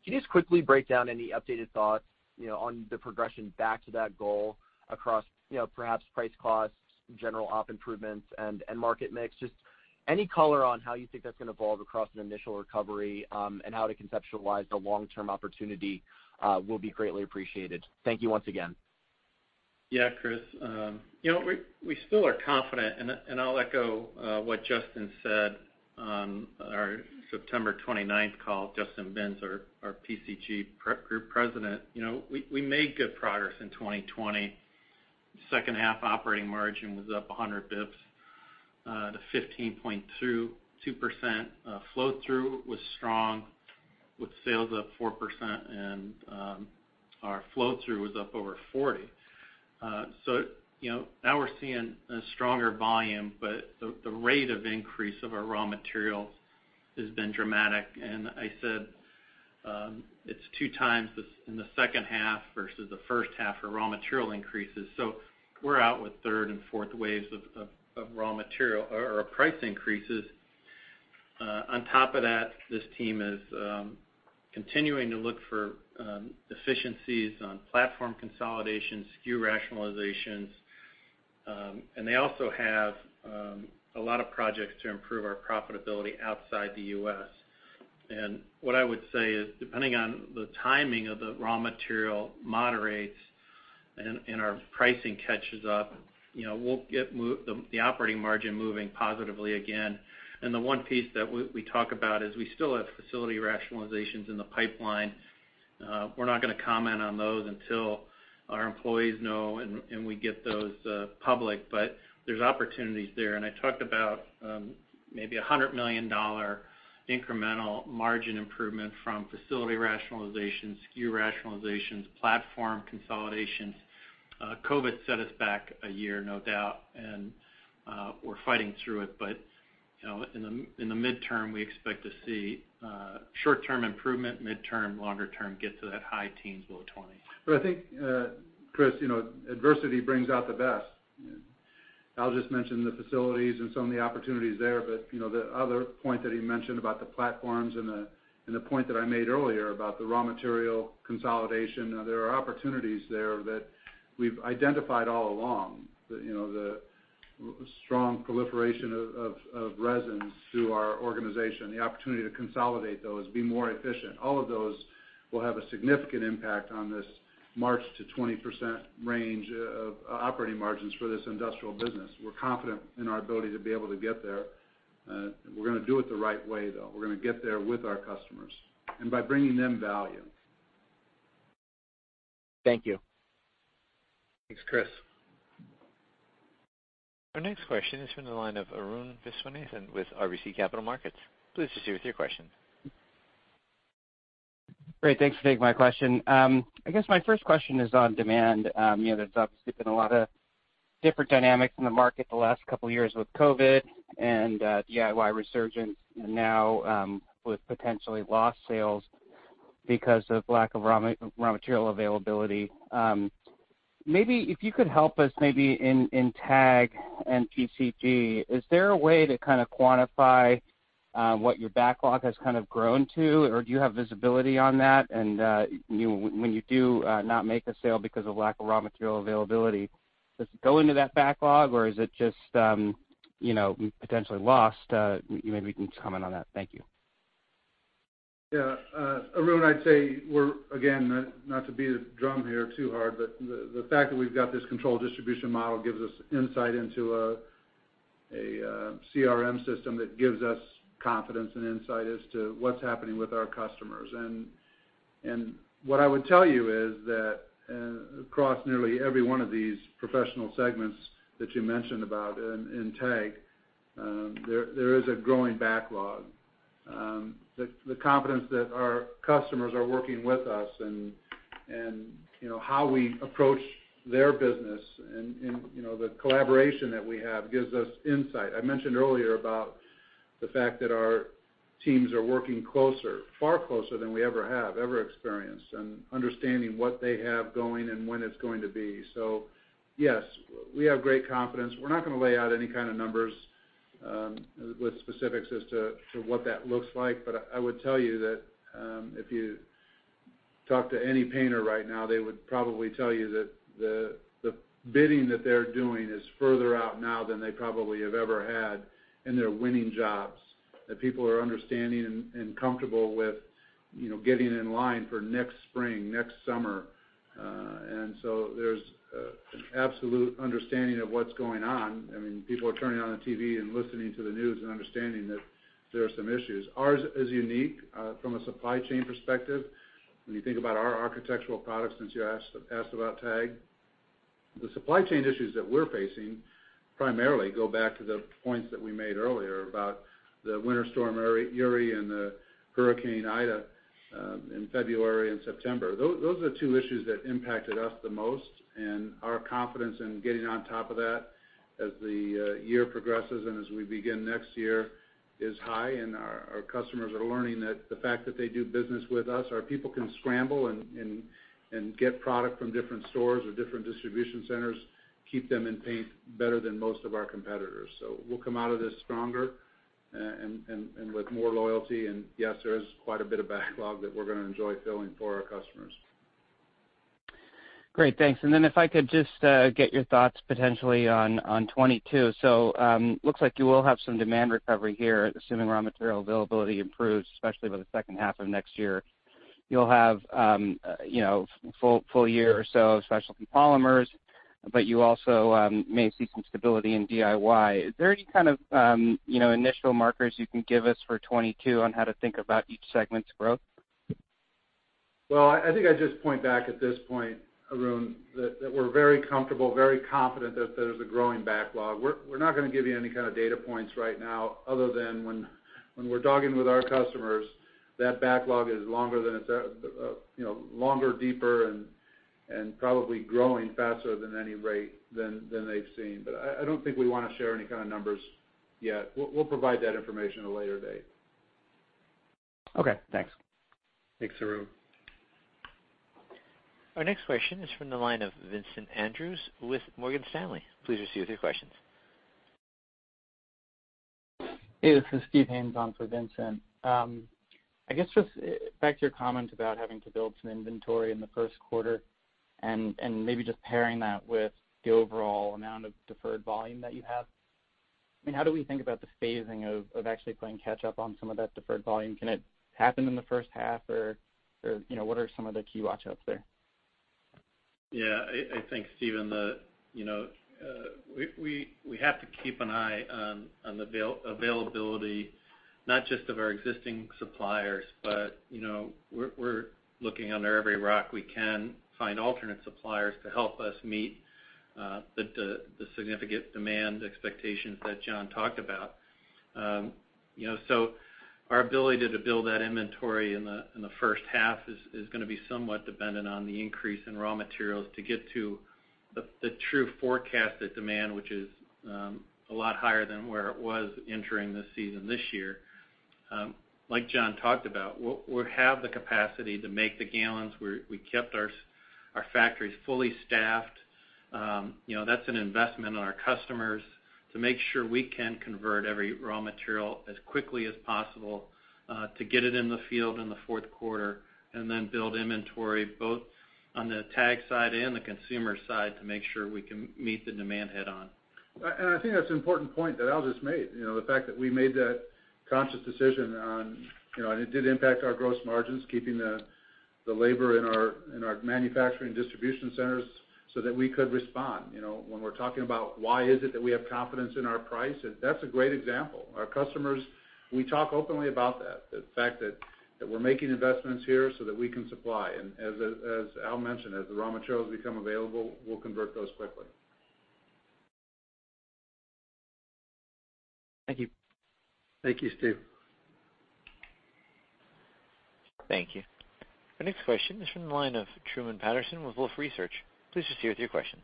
can you just quickly break down any updated thoughts, you know, on the progression back to that goal across, you know, perhaps price costs, general op improvements, and market mix? Just any color on how you think that's gonna evolve across an initial recovery, and how to conceptualize the long-term opportunity will be greatly appreciated. Thank you once again. Yeah, Chris. You know, we still are confident, and I'll echo what Justin said on our September 29th call, Justin Binns, our PCG Group President. You know, we made good progress in 2020. Second half operating margin was up 100 bps to 15.2%. Flow-through was strong with sales up 4%, and our flow-through was up over 40%. You know, now we're seeing a stronger volume, but the rate of increase of our raw materials has been dramatic. I said it's two times this in the second half versus the first half for raw material increases. We're out with third and fourth waves of raw material or price increases. On top of that, this team is continuing to look for efficiencies on platform consolidation, SKU rationalizations, and they also have a lot of projects to improve our profitability outside the U.S. What I would say is, depending on the timing of the raw material moderation and our pricing catches up, you know, we'll get the operating margin moving positively again. The one piece that we talk about is we still have facility rationalizations in the pipeline. We're not gonna comment on those until our employees know and we get those public, but there's opportunities there. I talked about maybe $100 million incremental margin improvement from facility rationalizations, SKU rationalizations, platform consolidations. COVID set us back a year, no doubt, and we're fighting through it. You know, in the midterm, we expect to see short-term improvement, midterm, longer term, get to that high teens-low 20%. I think, Chris, you know, adversity brings out the best. Al just mentioned the facilities and some of the opportunities there, but, you know, the other point that he mentioned about the platforms and the point that I made earlier about the raw material consolidation, there are opportunities there that we've identified all along. You know, the strong proliferation of resins through our organization, the opportunity to consolidate those, be more efficient. All of those will have a significant impact on this march to 20% range of operating margins for this industrial business. We're confident in our ability to be able to get there. We're gonna do it the right way, though. We're gonna get there with our customers and by bringing them value. Thank you. Thanks, Chris. Our next question is from the line of Arun Viswanathan with RBC Capital Markets. Please proceed with your question. Great. Thanks for taking my question. I guess my first question is on demand. You know, there's obviously been a lot of different dynamics in the market the last couple of years with COVID and, DIY resurgence and now, with potentially lost sales because of lack of raw material availability. Maybe if you could help us maybe in TAG and PCG, is there a way to kind of quantify, what your backlog has kind of grown to, or do you have visibility on that? You know, when you do, not make a sale because of lack of raw material availability, does it go into that backlog, or is it just, you know, potentially lost? Maybe we can just comment on that. Thank you. Yeah. Arun, I'd say we're, again, not to beat a drum here too hard, but the fact that we've got this controlled distribution model gives us insight into a CRM system that gives us confidence and insight as to what's happening with our customers. What I would tell you is that across nearly every one of these professional segments that you mentioned about in TAG, there is a growing backlog. The confidence that our customers are working with us and you know how we approach their business and you know the collaboration that we have gives us insight. I mentioned earlier about the fact that our teams are working closer, far closer than we ever have experienced, and understanding what they have going and when it's going to be. Yes, we have great confidence. We're not gonna lay out any kind of numbers with specifics as to what that looks like. I would tell you that if you talk to any painter right now, they would probably tell you that the bidding that they're doing is further out now than they probably have ever had, and they're winning jobs that people are understanding and comfortable with, you know, getting in line for next spring, next summer. There's an absolute understanding of what's going on. I mean, people are turning on the TV and listening to the news and understanding that there are some issues. Ours is unique from a supply chain perspective. When you think about our architectural products, since you asked about TAG. The supply chain issues that we're facing primarily go back to the points that we made earlier about the Winter Storm Uri and the Hurricane Ida in February and September. Those are the two issues that impacted us the most and our confidence in getting on top of that as the year progresses and as we begin next year is high, and our customers are learning that the fact that they do business with us, our people can scramble and get product from different stores or different distribution centers, keep them in paint better than most of our competitors. So we'll come out of this stronger and with more loyalty. Yes, there is quite a bit of backlog that we're gonna enjoy filling for our customers. Great. Thanks. Then if I could just get your thoughts potentially on 2022. Looks like you will have some demand recovery here, assuming raw material availability improves, especially by the second half of next year. You'll have full year or so of Specialty Polymers, but you also may see some stability in DIY. Is there any kind of initial markers you can give us for 2022 on how to think about each segment's growth? Well, I think I'd just point back at this point, Arun, that we're very comfortable, very confident that there's a growing backlog. We're not gonna give you any kind of data points right now other than when we're talking with our customers, that backlog is longer than it's, you know, longer, deeper, and probably growing faster than any rate than they've seen. I don't think we wanna share any kind of numbers yet. We'll provide that information at a later date. Okay, thanks. Thanks, Arun. Our next question is from the line of Vincent Andrews with Morgan Stanley. Please proceed with your questions. Hey, this is Steve Haynes on for Vincent. I guess just back to your comment about having to build some inventory in the first quarter and maybe just pairing that with the overall amount of deferred volume that you have. I mean, how do we think about the phasing of actually playing catch up on some of that deferred volume? Can it happen in the first half or, you know, what are some of the key watch outs there? I think, Steve, that you know we have to keep an eye on availability, not just of our existing suppliers. You know, we're looking under every rock we can find alternate suppliers to help us meet the significant demand expectations that John talked about. You know, our ability to build that inventory in the first half is gonna be somewhat dependent on the increase in raw materials to get to the true forecasted demand, which is a lot higher than where it was entering the season this year. Like John talked about, we have the capacity to make the gallons. We kept our factories fully staffed. You know, that's an investment on our customers to make sure we can convert every raw material as quickly as possible to get it in the field in the fourth quarter, and then build inventory both on the TAG side and the Consumer side to make sure we can meet the demand head on. I think that's an important point that Al just made. You know, the fact that we made that conscious decision on, you know, and it did impact our gross margins, keeping the labor in our manufacturing distribution centers so that we could respond. You know, when we're talking about why is it that we have confidence in our price, that's a great example. Our customers, we talk openly about that, the fact that we're making investments here so that we can supply. As Al mentioned, as the raw materials become available, we'll convert those quickly. Thank you. Thank you, Steve. Thank you. Our next question is from the line of Truman Patterson with Wolfe Research. Please proceed with your questions.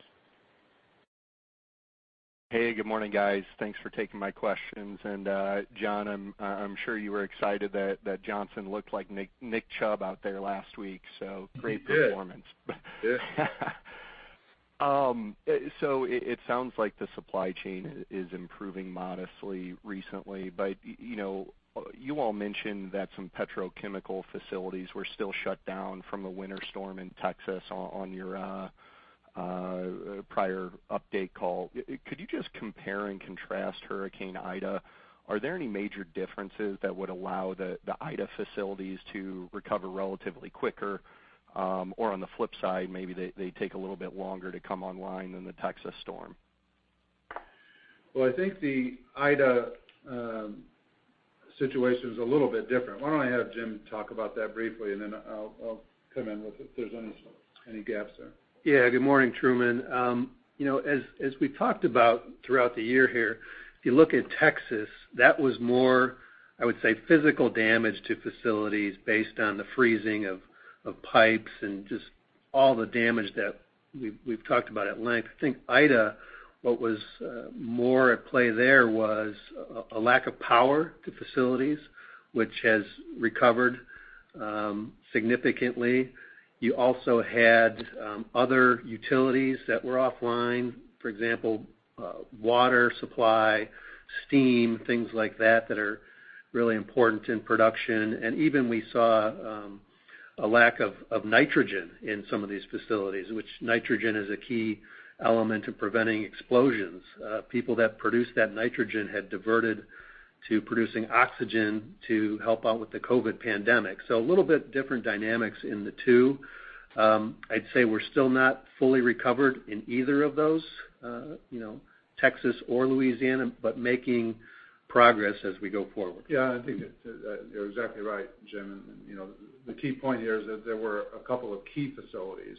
Hey, good morning, guys. Thanks for taking my questions. John, I'm sure you were excited that Johnson looked like Nick Chubb out there last week, so great performance. He did. Yeah. It sounds like the supply chain is improving modestly recently. You know, you all mentioned that some petrochemical facilities were still shut down from the winter storm in Texas on your prior update call. Could you just compare and contrast Hurricane Ida? Are there any major differences that would allow the Ida facilities to recover relatively quicker? On the flip side, maybe they take a little bit longer to come online than the Texas storm. Well, I think the Ida situation is a little bit different. Why don't I have Jim talk about that briefly, and then I'll come in and if there's any gaps there? Yeah. Good morning, Truman. You know, as we talked about throughout the year here, if you look at Texas, that was more, I would say, physical damage to facilities based on the freezing of pipes and just all the damage that we've talked about at length. I think Ida, what was more at play there was a lack of power to facilities, which has recovered significantly. You also had other utilities that were offline, for example, water supply, steam, things like that are really important in production. Even we saw a lack of nitrogen in some of these facilities, which nitrogen is a key element in preventing explosions. People that produce that nitrogen had diverted to producing oxygen to help out with the COVID pandemic. A little bit different dynamics in the two. I'd say we're still not fully recovered in either of those, you know, Texas or Louisiana, but making progress as we go forward. Yeah. I think that you're exactly right, Jim. You know, the key point here is that there were a couple of key facilities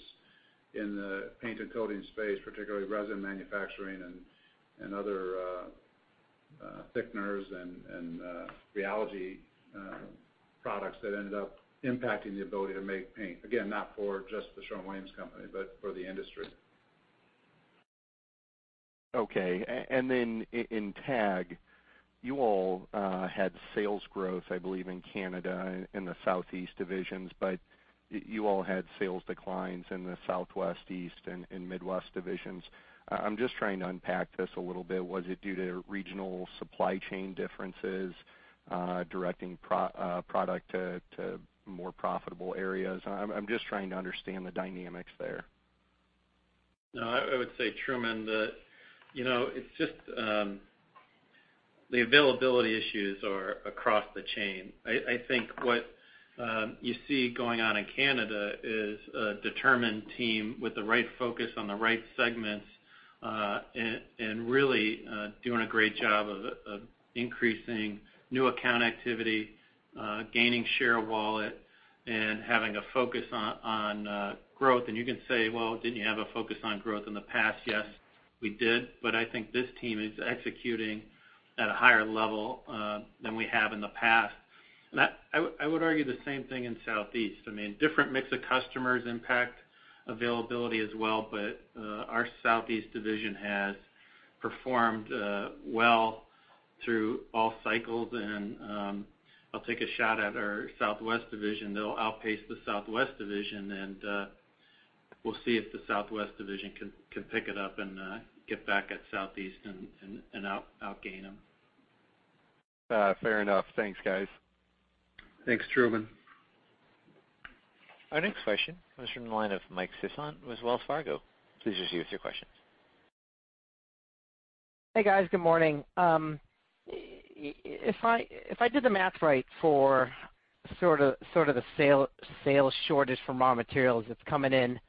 in the paint and coating space, particularly resin manufacturing and thickeners and rheology products that ended up impacting the ability to make paint. Again, not for just The Sherwin-Williams Company, but for the industry. Okay. In TAG, you all had sales growth, I believe, in Canada, in the Southeast divisions, but you all had sales declines in the Southwest East and in Midwest divisions. I'm just trying to unpack this a little bit. Was it due to regional supply chain differences, directing product to more profitable areas? I'm just trying to understand the dynamics there. No, I would say, Truman, that, you know, it's just the availability issues are across the chain. I think what you see going on in Canada is a determined team with the right focus on the right segments and really doing a great job of increasing new account activity, gaining share of wallet and having a focus on growth. You can say, "Well, didn't you have a focus on growth in the past?" Yes, we did, but I think this team is executing at a higher level than we have in the past. I would argue the same thing in Southeast. I mean, different mix of customers impact availability as well, but our Southeast division has performed well through all cycles. I'll take a shot at our Southwest division. They'll outpace the Southwest division, and we'll see if the Southwest division can pick it up and get back at Southeast and outgain them. Fair enough. Thanks, guys. Thanks, Truman. Our next question comes from the line of Mike Sison with Wells Fargo. Please proceed with your questions. Hey, guys. Good morning. If I did the math right for sort of the sales shortage for raw materials that's coming in,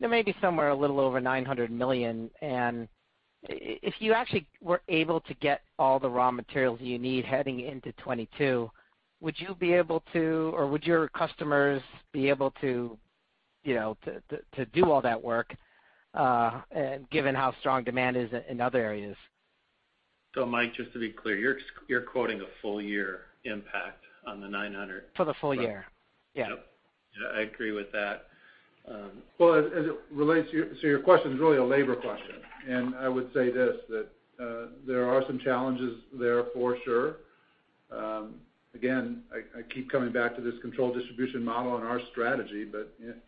there may be somewhere a little over $900 million. If you actually were able to get all the raw materials you need heading into 2022, would you be able to, or would your customers be able to, you know, to do all that work, given how strong demand is in other areas? Mike, just to be clear, you're quoting a full year impact on the $900 million. For the full year. Yeah. Yep. Yeah, I agree with that. Well, as it relates to your question, it's really a labor question. I would say this, that there are some challenges there for sure. Again, I keep coming back to this controlled distribution model and our strategy.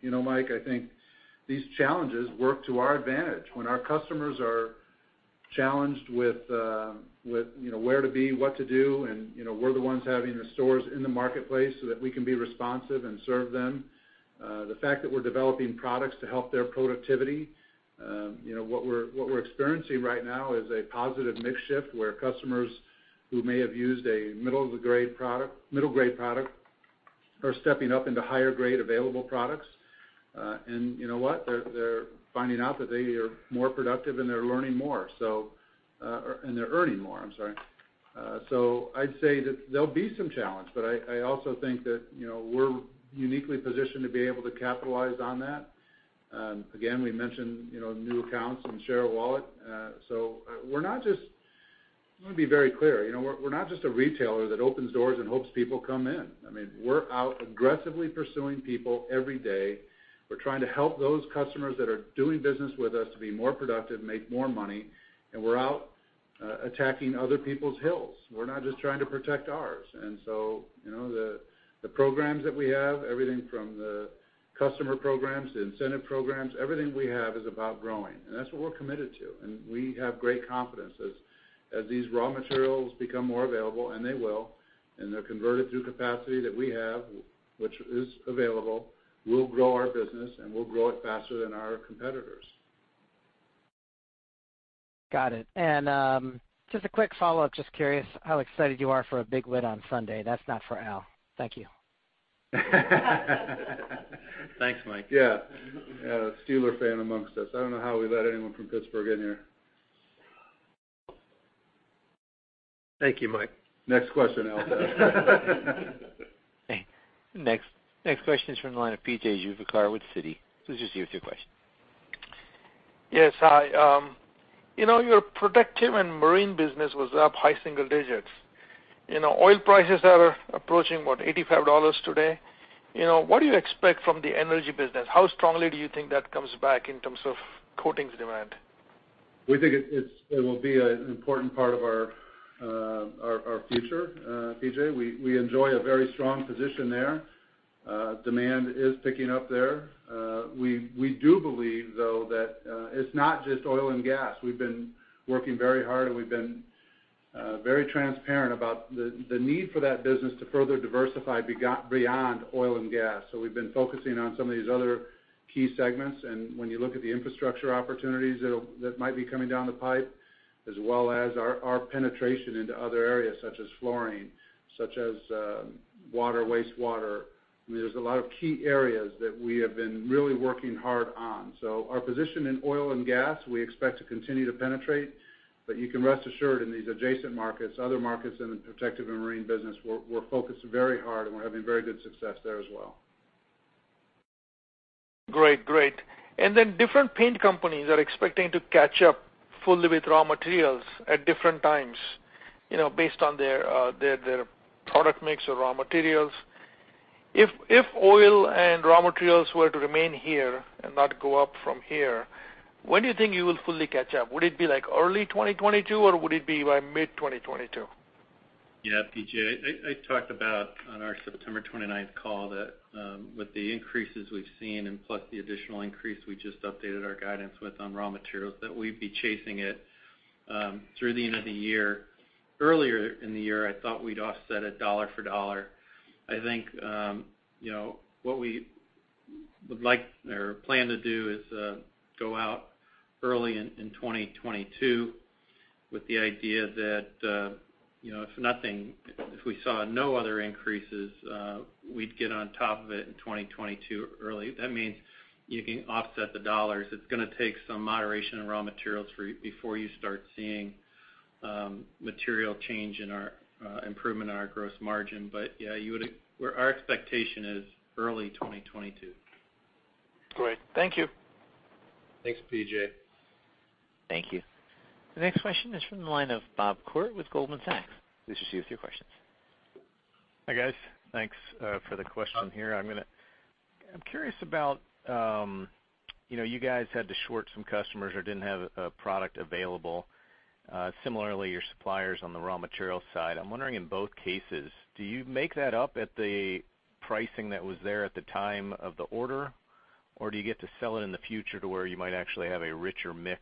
You know, Mike, I think these challenges work to our advantage. When our customers are challenged with you know where to be, what to do, and you know, we're the ones having the stores in the marketplace so that we can be responsive and serve them. The fact that we're developing products to help their productivity, you know, what we're experiencing right now is a positive mix shift where customers who may have used a middle grade product are stepping up into higher grade available products. You know what? They're finding out that they are more productive and they're learning more and they're earning more, I'm sorry. I'd say that there'll be some challenge, but I also think that, you know, we're uniquely positioned to be able to capitalize on that. Again, we mentioned, you know, new accounts and share of wallet. We're not just a retailer that opens doors and hopes people come in. Let me be very clear. You know, we're not just a retailer that opens doors and hopes people come in. I mean, we're out aggressively pursuing people every day. We're trying to help those customers that are doing business with us to be more productive, make more money, and we're out attacking other people's hills. We're not just trying to protect ours. You know, the programs that we have, everything from the customer programs to incentive programs, everything we have is about growing, and that's what we're committed to. We have great confidence as these raw materials become more available, and they will, and they're converted through capacity that we have, which is available, we'll grow our business, and we'll grow it faster than our competitors. Got it. Just a quick follow-up. Just curious how excited you are for a big win on Sunday. That's not for Al. Thank you. Thanks, Mike. Yeah. A Steelers fan among us. I don't know how we let anyone from Pittsburgh in here. Thank you, Mike. Next question, Al. Next question is from the line of P.J. Juvekar with Citi. Please proceed with your question. Yes. Hi. You know, your Protective & Marine business was up high single digits. You know, oil prices are approaching, what, $85 today. You know, what do you expect from the energy business? How strongly do you think that comes back in terms of coatings demand? We think it will be an important part of our future, P.J. We enjoy a very strong position there. Demand is picking up there. We do believe, though, that it's not just oil and gas. We've been working very hard, and we've been very transparent about the need for that business to further diversify beyond oil and gas. We've been focusing on some of these other key segments. When you look at the infrastructure opportunities that might be coming down the pipe, as well as our penetration into other areas, such as flooring, such as water, wastewater, I mean, there's a lot of key areas that we have been really working hard on. Our position in oil and gas, we expect to continue to penetrate. You can rest assured in these adjacent markets, other markets in the Protective & Marine business, we're focused very hard, and we're having very good success there as well. Great. Different paint companies are expecting to catch up fully with raw materials at different times, you know, based on their product mix or raw materials. If oil and raw materials were to remain here and not go up from here, when do you think you will fully catch up? Would it be like early 2022, or would it be by mid 2022? Yeah, P.J., I talked about on our September 29th call that with the increases we've seen, and plus the additional increase we just updated our guidance with on raw materials, that we'd be chasing it through the end of the year. Earlier in the year, I thought we'd offset it dollar for dollar. I think you know what we would like or plan to do is go out early in 2022 with the idea that you know if we saw no other increases we'd get on top of it in 2022 early. That means you can offset the dollars. It's gonna take some moderation in raw materials before you start seeing material change in our improvement in our gross margin. But yeah, our expectation is early 2022. Great. Thank you. Thanks, P.J. Thank you. The next question is from the line of Bob Koort with Goldman Sachs. Please proceed with your question. Hi, guys. Thanks for the question here. I'm curious about, you know, you guys had to short some customers or didn't have a product available. Similarly, your suppliers on the raw material side. I'm wondering, in both cases, do you make that up at the pricing that was there at the time of the order, or do you get to sell it in the future to where you might actually have a richer mix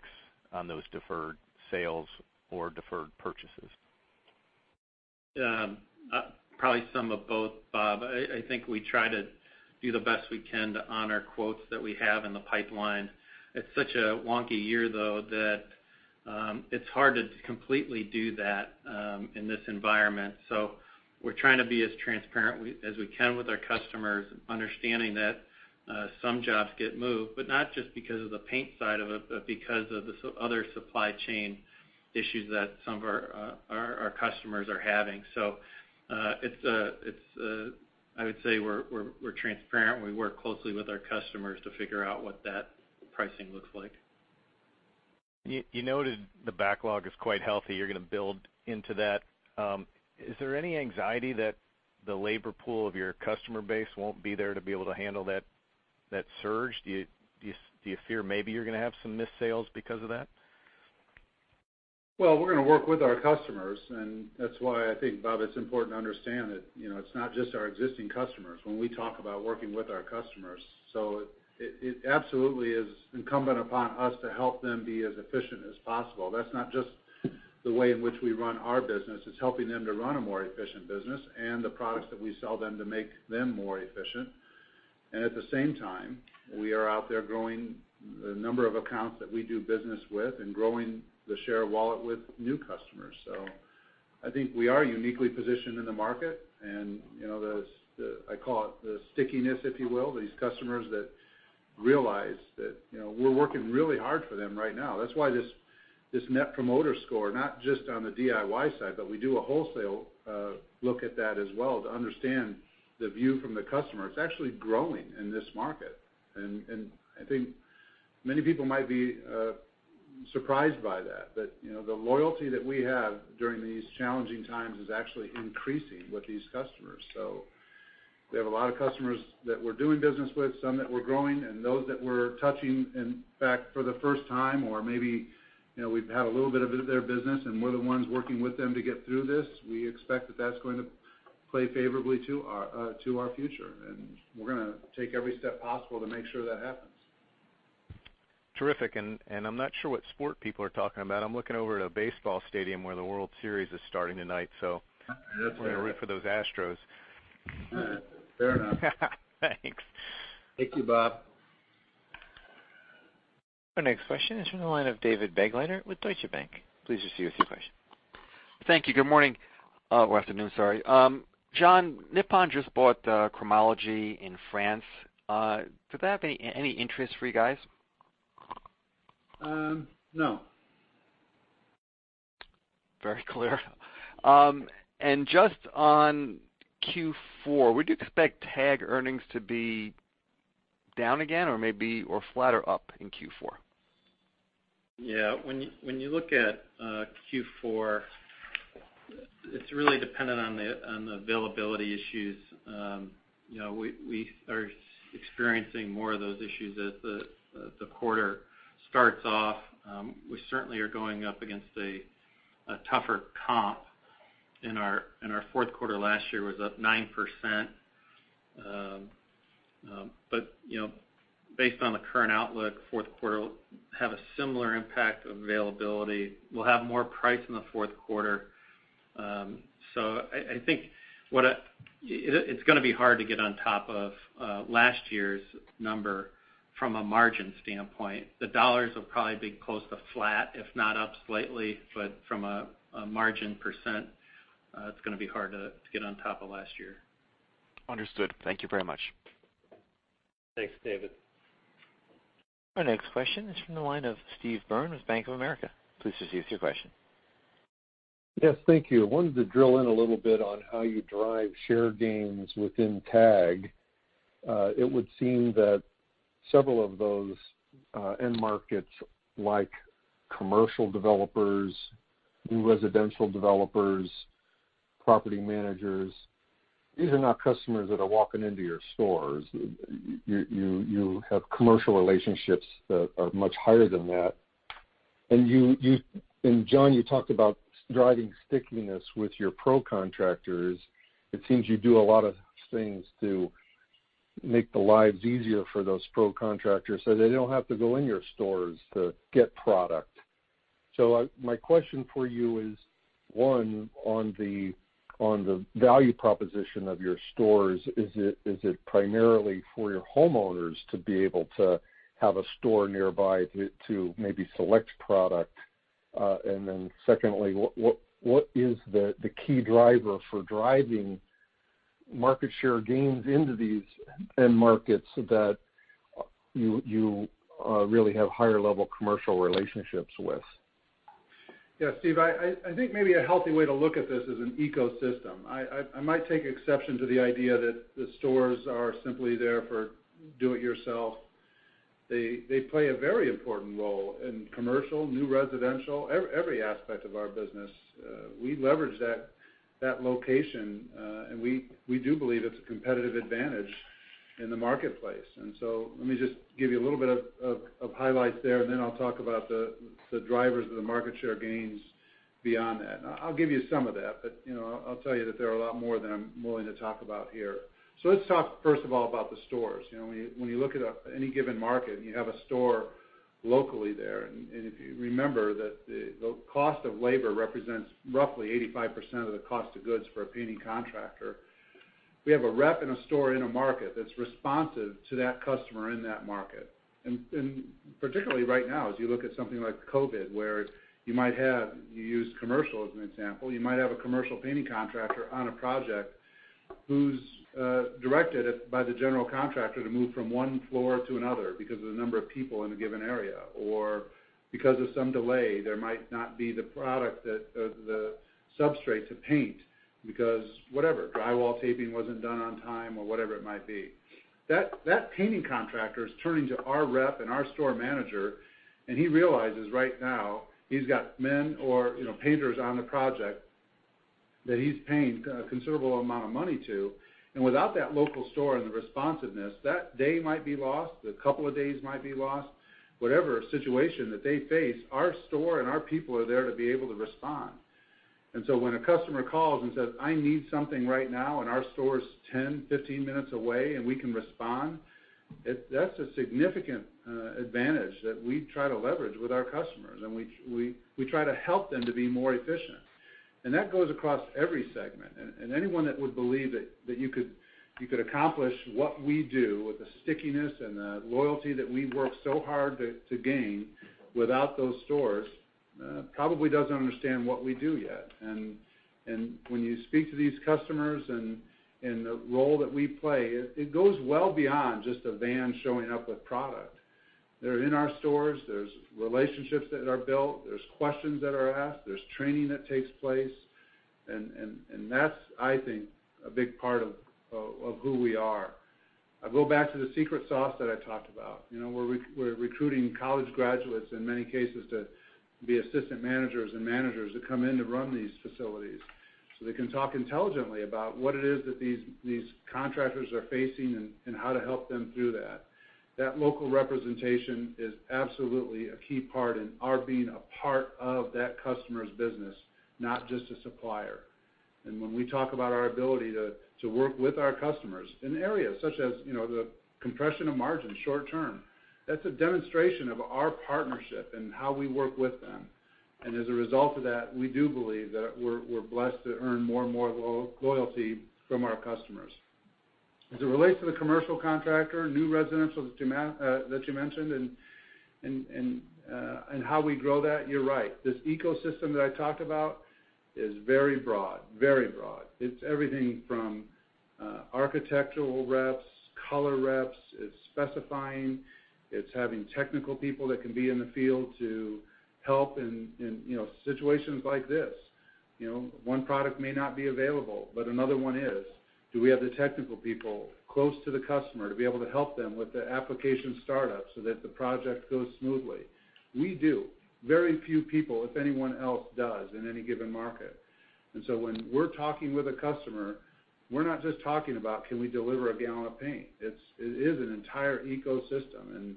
on those deferred sales or deferred purchases? Probably some of both, Bob. I think we try to do the best we can to honor quotes that we have in the pipeline. It's such a wonky year, though, that it's hard to completely do that in this environment. We're trying to be as transparent as we can with our customers, understanding that some jobs get moved, but not just because of the paint side of it, but because of other supply chain issues that some of our customers are having. I would say we're transparent. We work closely with our customers to figure out what that pricing looks like. You noted the backlog is quite healthy. You're gonna build into that. Is there any anxiety that the labor pool of your customer base won't be there to be able to handle that surge? Do you fear maybe you're gonna have some missed sales because of that? Well, we're gonna work with our customers, and that's why I think, Bob, it's important to understand that, you know, it's not just our existing customers when we talk about working with our customers. It absolutely is incumbent upon us to help them be as efficient as possible. That's not just the way in which we run our business. It's helping them to run a more efficient business and the products that we sell them to make them more efficient. At the same time, we are out there growing the number of accounts that we do business with and growing the share of wallet with new customers. I think we are uniquely positioned in the market, and, you know, I call it the stickiness, if you will, these customers that realize that, you know, we're working really hard for them right now. That's why this Net Promoter Score, not just on the DIY side, but we do a wholesale look at that as well to understand the view from the customer. It's actually growing in this market. I think many people might be surprised by that. You know, the loyalty that we have during these challenging times is actually increasing with these customers. We have a lot of customers that we're doing business with, some that we're growing, and those that we're touching, in fact, for the first time, or maybe, you know, we've had a little bit of their business, and we're the ones working with them to get through this. We expect that that's going to play favorably to our future, and we're gonna take every step possible to make sure that happens. Terrific. I'm not sure what sport people are talking about. I'm looking over at a baseball stadium where the World Series is starting tonight. That's right. I'm gonna root for those Astros. Fair enough. Thanks. Thank you, Bob. Our next question is from the line of David Begleiter with Deutsche Bank. Please proceed with your question Thank you. Good morning or afternoon, Im sorry. John, Nippon just bought Cromology in France. Could that be of any interest for you guys? No. Very clear. Just on Q4, would you expect TAG earnings to be down again or maybe flat or up in Q4? Yeah. When you look at Q4, it's really dependent on the availability issues. You know, we are experiencing more of those issues as the quarter starts off. We certainly are going up against a tougher comp in our fourth quarter last year was up 9%. You know, based on the current outlook, fourth quarter will have a similar impact of availability. We'll have more price in the fourth quarter. I think it's gonna be hard to get on top of last year's number from a margin standpoint. The dollars will probably be close to flat, if not up slightly. From a margin percent, it's gonna be hard to get on top of last year. Understood. Thank you very much. Thanks, David. Our next question is from the line of Steve Byrne with Bank of America. Please proceed with your question. Yes. Thank you. I wanted to drill in a little bit on how you drive share gains within TAG. It would seem that several of those end markets, like commercial developers, new residential developers, property managers, these are not customers that are walking into your stores. You have commercial relationships that are much higher than that. John, you talked about driving stickiness with your pro contractors. It seems you do a lot of things to make the lives easier for those pro contractors, so they don't have to go in your stores to get product. My question for you is, one, on the value proposition of your stores, is it primarily for your homeowners to be able to have a store nearby to maybe select product? Secondly, what is the key driver for driving market share gains into these end markets so that you really have higher level commercial relationships with? Yeah. Steve, I think maybe a healthy way to look at this is an ecosystem. I might take exception to the idea that the stores are simply there for do it yourself. They play a very important role in commercial, new residential, every aspect of our business. We leverage that location. We do believe it's a competitive advantage in the marketplace. Let me just give you a little bit of highlights there, and then I'll talk about the drivers of the market share gains beyond that. I'll give you some of that. You know, I'll tell you that there are a lot more than I'm willing to talk about here. Let's talk first of all about the stores. You know, when you look at any given market, and you have a store locally there, and if you remember that the cost of labor represents roughly 85% of the cost of goods for a painting contractor. We have a rep in a store in a market that's responsive to that customer in that market. Particularly right now, as you look at something like COVID, where you might have, you use commercial as an example, you might have a commercial painting contractor on a project who's directed by the general contractor to move from one floor to another because of the number of people in a given area. Because of some delay, there might not be the product that the substrate to paint because whatever, drywall taping wasn't done on time or whatever it might be. That painting contractor is turning to our rep and our store manager, and he realizes right now he's got men or, you know, painters on the project that he's paying a considerable amount of money to. Without that local store and the responsiveness, that day might be lost, a couple of days might be lost. Whatever situation that they face, our store and our people are there to be able to respond. When a customer calls and says, "I need something right now," and our store's 10, 15 minutes away, and we can respond, that's a significant advantage that we try to leverage with our customers. We try to help them to be more efficient. That goes across every segment. Anyone that would believe that you could accomplish what we do with the stickiness and the loyalty that we work so hard to gain without those stores probably doesn't understand what we do yet. When you speak to these customers and the role that we play, it goes well beyond just a van showing up with product. They're in our stores. There's relationships that are built. There's questions that are asked. There's training that takes place. That's, I think, a big part of who we are. I go back to the secret sauce that I talked about. You know, we're recruiting college graduates in many cases to be assistant managers and managers that come in to run these facilities, so they can talk intelligently about what it is that these contractors are facing and how to help them through that. That local representation is absolutely a key part in our being a part of that customer's business, not just a supplier. When we talk about our ability to work with our customers in areas such as, you know, the compression of margin short term, that's a demonstration of our partnership and how we work with them. As a result of that, we do believe that we're blessed to earn more and more loyalty from our customers. As it relates to the commercial contractor, new residential demand that you mentioned and how we grow that, you're right. This ecosystem that I talked about is very broad, very broad. It's everything from architectural reps, color reps. It's specifying, it's having technical people that can be in the field to help in, you know, situations like this. You know, one product may not be available, but another one is. Do we have the technical people close to the customer to be able to help them with the application startup so that the project goes smoothly? We do. Very few people, if anyone else does, in any given market. When we're talking with a customer, we're not just talking about can we deliver a gallon of paint. It is an entire ecosystem.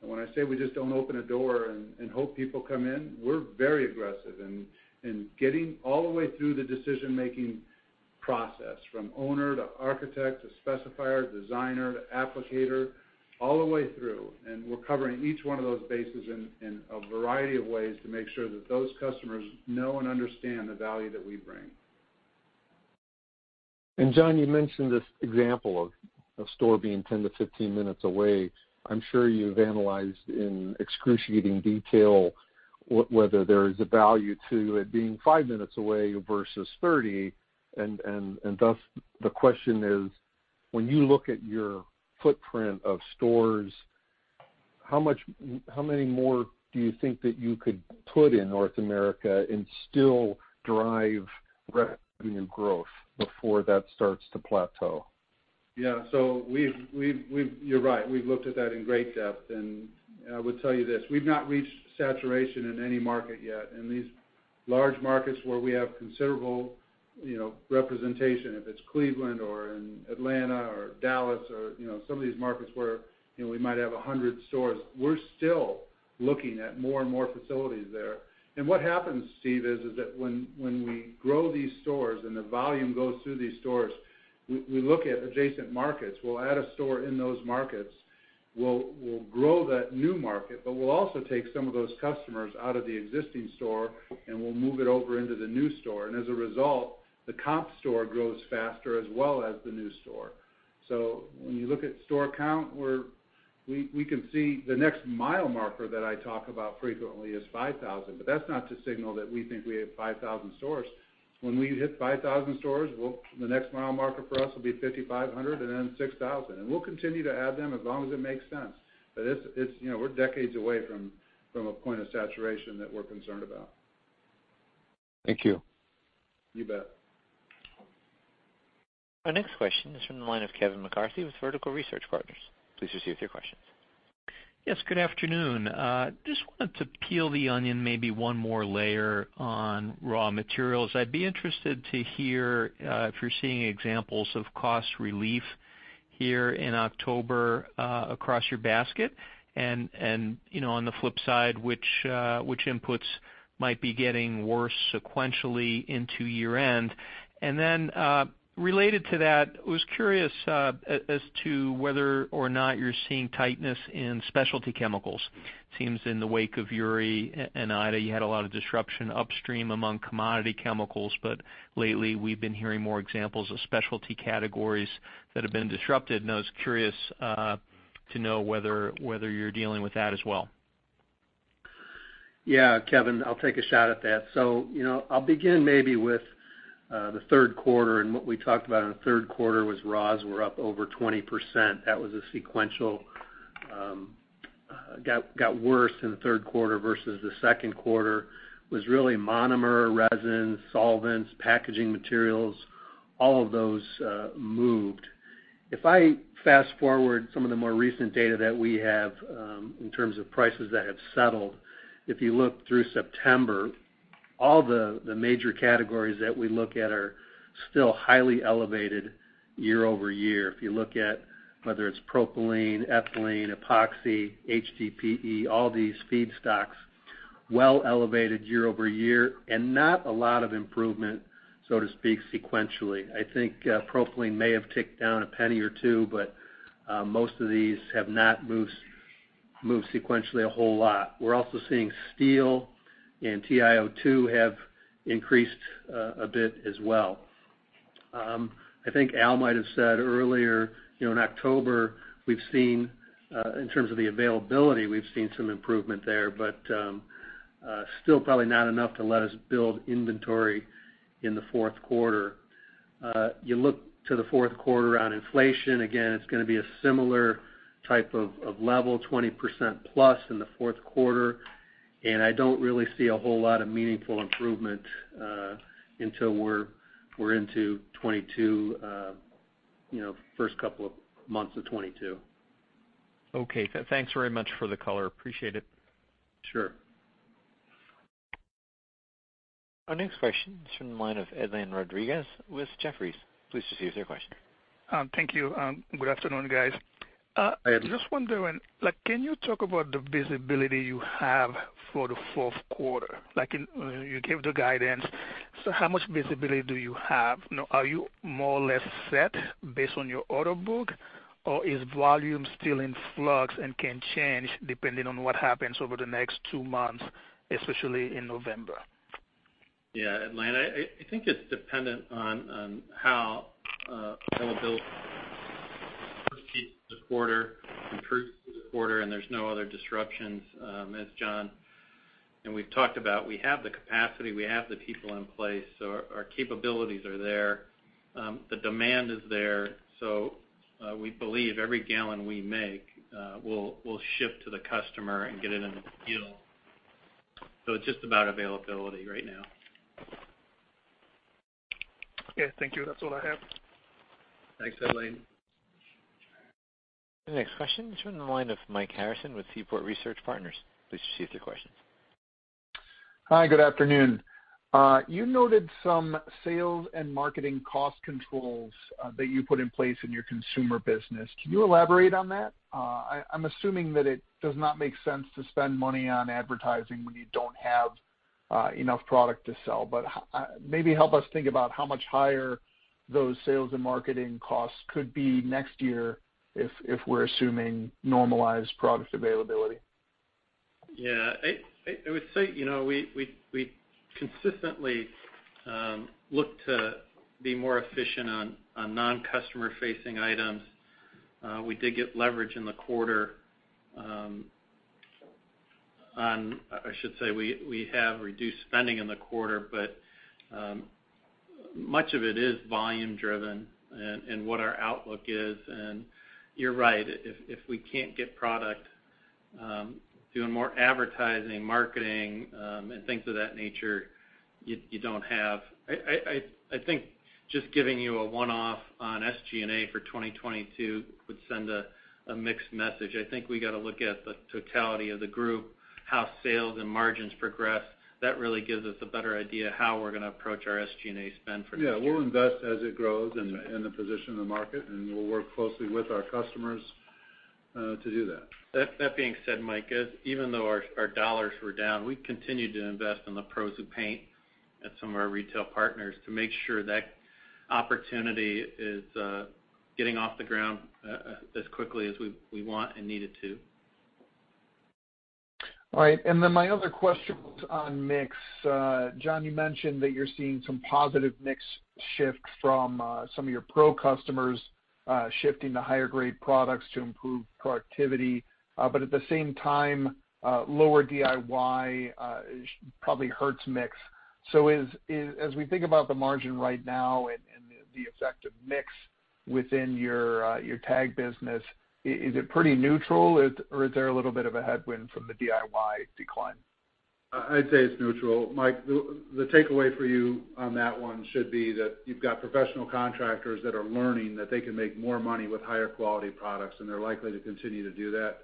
When I say we just don't open a door and hope people come in, we're very aggressive in getting all the way through the decision-making process, from owner to architect to specifier, designer to applicator, all the way through. We're covering each one of those bases in a variety of ways to make sure that those customers know and understand the value that we bring. John, you mentioned this example of a store being 10-15 minutes away. I'm sure you've analyzed in excruciating detail whether there is a value to it being 5 minutes away versus 30 minutes. Thus the question is, when you look at your footprint of stores, how many more do you think that you could put in North America and still drive revenue growth before that starts to plateau? You're right, we've looked at that in great depth, and I would tell you this: we've not reached saturation in any market yet. In these large markets where we have considerable, you know, representation, if it's Cleveland or in Atlanta or Dallas or, you know, some of these markets where, you know, we might have 100 stores, we're still looking at more and more facilities there. What happens, Steve, is that when we grow these stores and the volume goes through these stores, we look at adjacent markets. We'll add a store in those markets. We'll grow that new market, but we'll also take some of those customers out of the existing store, and we'll move it over into the new store. As a result, the comp store grows faster as well as the new store. When you look at store count, we can see the next mile marker that I talk about frequently is 5,000, but that's not to signal that we think we have 5,000 stores. When we hit 5,000 stores, we'll the next mile marker for us will be 5,500 and then 6,000, and we'll continue to add them as long as it makes sense. But it's, you know, we're decades away from a point of saturation that we're concerned about. Thank you. You bet. Our next question is from the line of Kevin McCarthy with Vertical Research Partners. Please proceed with your questions. Yes, good afternoon. Just wanted to peel the onion maybe one more layer on raw materials. I'd be interested to hear if you're seeing examples of cost relief here in October across your basket. You know, on the flip side, which inputs might be getting worse sequentially into year-end. Related to that, I was curious as to whether or not you're seeing tightness in specialty chemicals. Seems in the wake of Uri and Ida, you had a lot of disruption upstream among commodity chemicals, but lately, we've been hearing more examples of specialty categories that have been disrupted, and I was curious to know whether you're dealing with that as well. Yeah. Kevin, I'll take a shot at that. You know, I'll begin maybe with the third quarter, and what we talked about in the third quarter was raws were up over 20%. That was sequentially worse in the third quarter versus the second quarter. It was really monomer, resin, solvents, packaging materials, all of those moved. If I fast-forward some of the more recent data that we have in terms of prices that have settled, if you look through September, all the major categories that we look at are still highly elevated year-over-year. If you look at whether it's propylene, ethylene, epoxy, HDPE, all these feedstocks were elevated year-over-year and not a lot of improvement, so to speak, sequentially. I think propylene may have ticked down $0.01 or $0.02, but most of these have not moved sequentially a whole lot. We're also seeing steel and TiO2 have increased a bit as well. I think Al might have said earlier, you know, in October, in terms of the availability, we've seen some improvement there, but still probably not enough to let us build inventory in the fourth quarter. You look to the fourth quarter on inflation, again, it's gonna be a similar type of level, 20%+ in the fourth quarter. I don't really see a whole lot of meaningful improvement until we're into 2022, you know, first couple of months of 2022. Okay. Thanks very much for the color. Appreciate it. Sure. Our next question is from the line of Edlain Rodriguez with Jefferies. Please proceed with your question. Thank you. Good afternoon, guys. Hi, Ed. Just wondering, like, can you talk about the visibility you have for the fourth quarter? Like, you gave the guidance. How much visibility do you have? You know, are you more or less set based on your order book, or is volume still in flux and can change depending on what happens over the next two months, especially in November? Yeah, Edlain, I think it's dependent on how availability Supply improved through the quarter, and there's no other disruptions, as John and I have talked about. We have the capacity, we have the people in place, so our capabilities are there. The demand is there. We believe every gallon we make, we'll ship to the customer and get it in the field. It's just about availability right now. Okay, thank you. That's all I have. Thanks, Edlain. The next question is from the line of Mike Harrison with Seaport Research Partners. Please proceed with your question. Hi, good afternoon. You noted some sales and marketing cost controls that you put in place in your Consumer business. Can you elaborate on that? I'm assuming that it does not make sense to spend money on advertising when you don't have enough product to sell. Maybe help us think about how much higher those sales and marketing costs could be next year if we're assuming normalized product availability. Yeah. I would say, you know, we consistently look to be more efficient on non-customer facing items. We did get leverage in the quarter. I should say we have reduced spending in the quarter, but much of it is volume driven and what our outlook is. You're right, if we can't get product doing more advertising, marketing, and things of that nature. I think just giving you a one-off on SG&A for 2022 would send a mixed message. I think we gotta look at the totality of the group, how sales and margins progress. That really gives us a better idea how we're gonna approach our SG&A spend for next year. Yeah. We'll invest as it grows in the position in the market, and we'll work closely with our customers to do that. That being said, Mike, even though our dollars were down, we continued to invest in the Pros Who Paint at some of our retail partners to make sure that opportunity is getting off the ground as quickly as we want and need it to. All right. Then my other question was on mix. John, you mentioned that you're seeing some positive mix shift from some of your pro customers shifting to higher grade products to improve productivity. But at the same time, lower DIY probably hurts mix. So as we think about the margin right now and the effect of mix within your TAG business, is it pretty neutral? Or is there a little bit of a headwind from the DIY decline? I'd say it's neutral, Mike. The takeaway for you on that one should be that you've got professional contractors that are learning that they can make more money with higher quality products, and they're likely to continue to do that.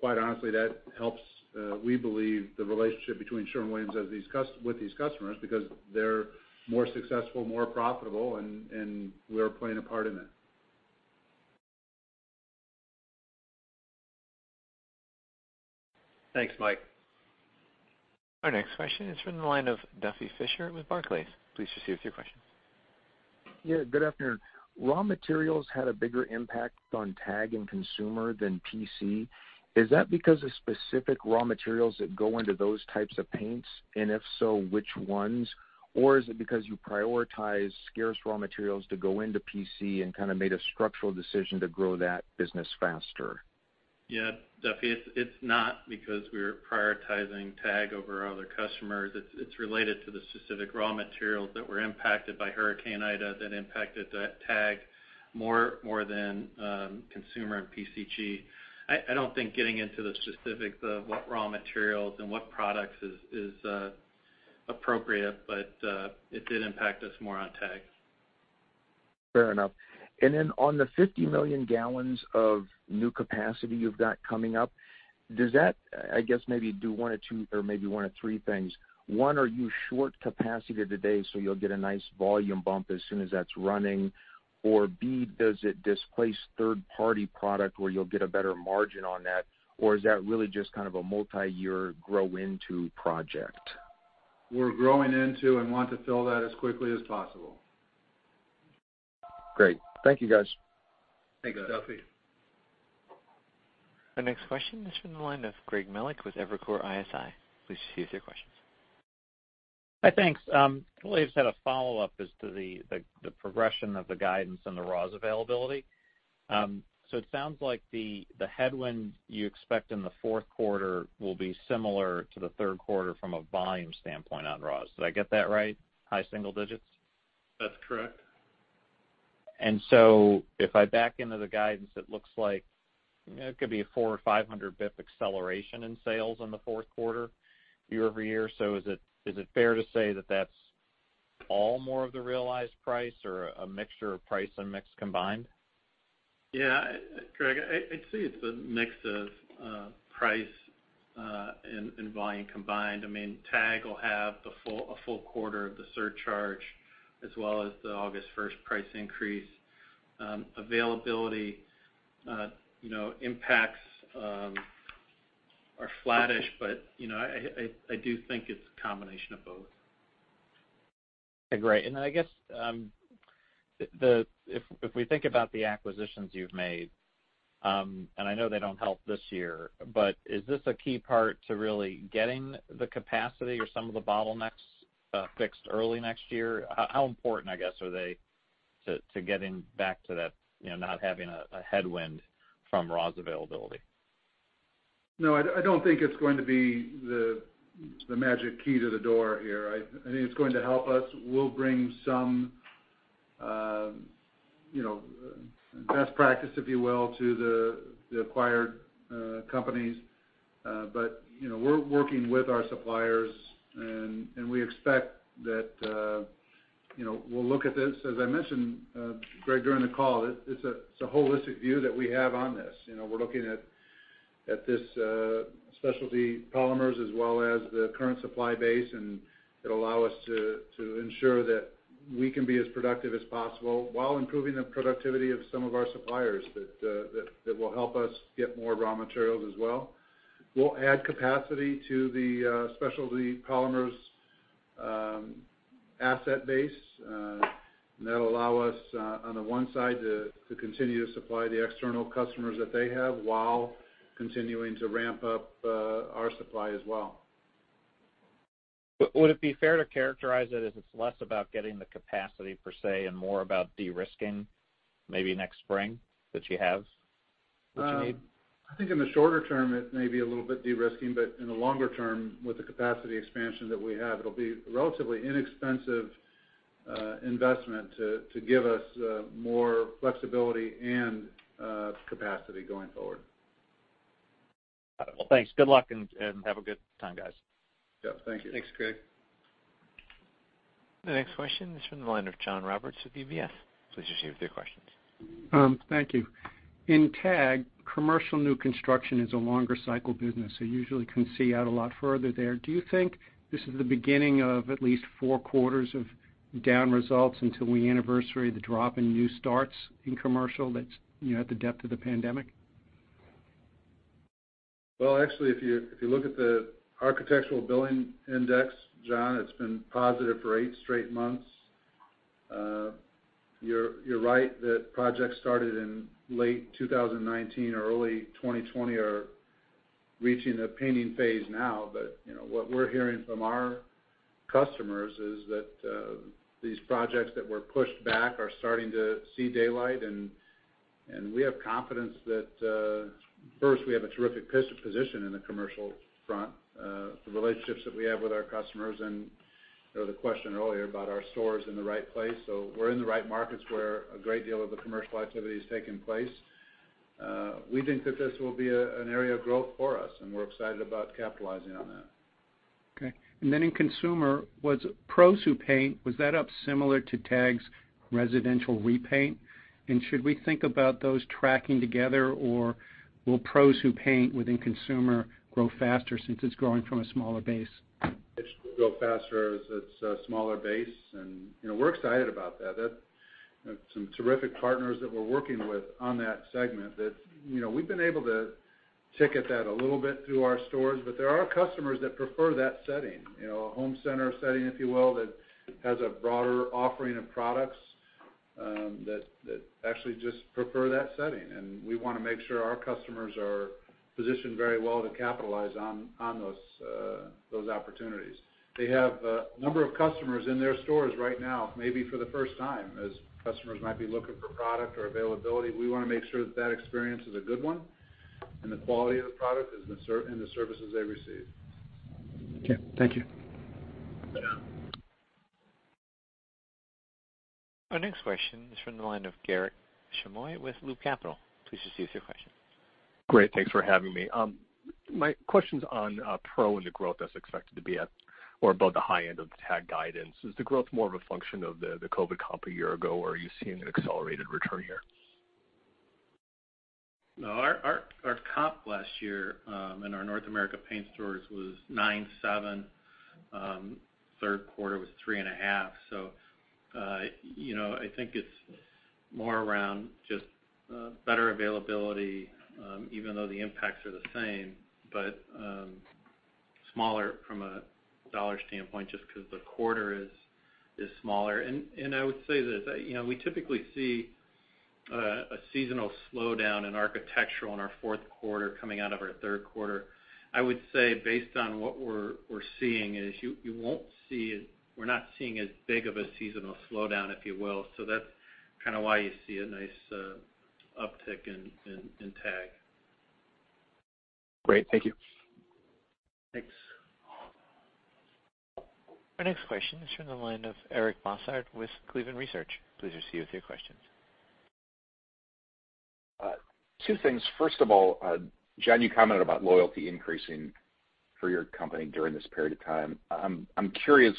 Quite honestly, that helps, we believe, the relationship between Sherwin-Williams with these customers because they're more successful, more profitable and we're playing a part in it. Thanks, Mike. Our next question is from the line of Duffy Fischer with Barclays. Please proceed with your question. Yeah, good afternoon. Raw materials had a bigger impact on TAG and Consumer than PC. Is that because of specific raw materials that go into those types of paints? And if so, which ones? Is it because you prioritize scarce raw materials to go into PC and kinda made a structural decision to grow that business faster? Yeah, Duffy, it's not because we're prioritizing TAG over our other customers. It's related to the specific raw materials that were impacted by Hurricane Ida that impacted the TAG more than Consumer and PCG. I don't think getting into the specifics of what raw materials and what products is appropriate, but it did impact us more on TAG. Fair enough. On the 50 million gal of new capacity you've got coming up, does that, I guess maybe do one of two or maybe one of three things. One, are you short capacity today, so you'll get a nice volume bump as soon as that's running? Or B, does it displace third-party product where you'll get a better margin on that? Or is that really just kind of a multi-year grow into project? We're growing into and want to fill that as quickly as possible. Great. Thank you, guys. Thanks you, Duffy. Thanks. The next question is from the line of Greg Melich with Evercore ISI. Please proceed with your questions. Hi, thanks. I just had a follow-up as to the progression of the guidance and the raws availability. So it sounds like the headwind you expect in the fourth quarter will be similar to the third quarter from a volume standpoint on raws. Did I get that right, high single digits? That's correct. If I back into the guidance, it looks like, you know, it could be a 400 bps or 500 bps acceleration in sales in the fourth quarter year-over-year. Is it fair to say that that's all more of the realized price or a mixture of price and mix combined? Yeah. Greg, I'd say it's a mix of price and volume combined. I mean, TAG will have a full quarter of the surcharge as well as the August 1st price increase. Availability, you know, impacts are flattish, but you know, I do think it's a combination of both. Okay, great. I guess, if we think about the acquisitions you've made, and I know they don't help this year, but is this a key part to really getting the capacity or some of the bottlenecks fixed early next year? How important, I guess, are they to getting back to that, you know, not having a headwind from raws availability? No, I don't think it's going to be the magic key to the door here. I think it's going to help us. We'll bring some, you know, best practice, if you will, to the acquired companies. You know, we're working with our suppliers and we expect that, you know, we'll look at this. As I mentioned, Greg, during the call, it's a holistic view that we have on this. You know, we're looking at this, Specialty Polymers as well as the current supply base, and it'll allow us to ensure that we can be as productive as possible while improving the productivity of some of our suppliers that will help us get more raw materials as well. We'll add capacity to the Specialty Polymers asset base. That'll allow us, on the one side, to continue to supply the external customers that they have while continuing to ramp up our supply as well. Would it be fair to characterize it as it's less about getting the capacity per se and more about de-risking maybe next spring that you have, that you need? I think in the shorter term it may be a little bit de-risking, but in the longer term, with the capacity expansion that we have, it'll be relatively inexpensive investment to give us more flexibility and capacity going forward. Got it. Well, thanks. Good luck and have a good time, guys. Yep. Thank you. Thanks, Greg. The next question is from the line of John Roberts with UBS. Please proceed with your questions. Thank you. In TAG, commercial new construction is a longer cycle business, so you usually can see out a lot further there. Do you think this is the beginning of at least four quarters of down results until we anniversary the drop in new starts in commercial that's, you know, at the depth of the pandemic? Well, actually, if you look at the Architecture Billings Index, John, it's been positive for eight straight months. You're right that projects started in late 2019 or early 2020 are reaching the painting phase now. You know, what we're hearing from our customers is that these projects that were pushed back are starting to see daylight, and we have confidence that we have a terrific position in the commercial front, the relationships that we have with our customers and, you know, the question earlier about our stores in the right place. We're in the right markets where a great deal of the commercial activity is taking place. We think that this will be an area of growth for us, and we're excited about capitalizing on that. Okay. In Consumer, was Pros Who Paint, was that up similar to TAG's residential repaint? Should we think about those tracking together, or will Pros Who Paint within Consumer grow faster since it's growing from a smaller base? It should grow faster as it's a smaller base and, you know, we're excited about that. We have some terrific partners that we're working with on that segment that, you know, we've been able to ticket that a little bit through our stores, but there are customers that prefer that setting. You know, a home center setting, if you will, that has a broader offering of products that actually just prefer that setting, and we wanna make sure our customers are positioned very well to capitalize on those opportunities. They have a number of customers in their stores right now, maybe for the first time, as customers might be looking for product or availability. We wanna make sure that that experience is a good one and the quality of the product and the services they receive. Okay. Thank you. Yeah. Our next question is from the line of Garik Shmois with Loop Capital. Please proceed with your question. Great. Thanks for having me. My question's on Pro and the growth that's expected to be at or above the high end of the TAG guidance. Is the growth more of a function of the COVID comp a year ago, or are you seeing an accelerated return here? No. Our comp last year in our North America Paint Stores was 9.7%. Third quarter was 3.5%. You know, I think it's more around just better availability, even though the impacts are the same, but smaller from a dollar standpoint just 'cause the quarter is smaller. I would say that, you know, we typically see a seasonal slowdown in architectural in our fourth quarter coming out of our third quarter. I would say based on what we're seeing, you won't see it. We're not seeing as big of a seasonal slowdown, if you will. That's kinda why you see a nice uptick in TAG. Great. Thank you. Thanks. Our next question is from the line of Eric Bosshard with Cleveland Research. Please proceed with your questions. Two things. First of all, John, you commented about loyalty increasing for your company during this period of time. I'm curious,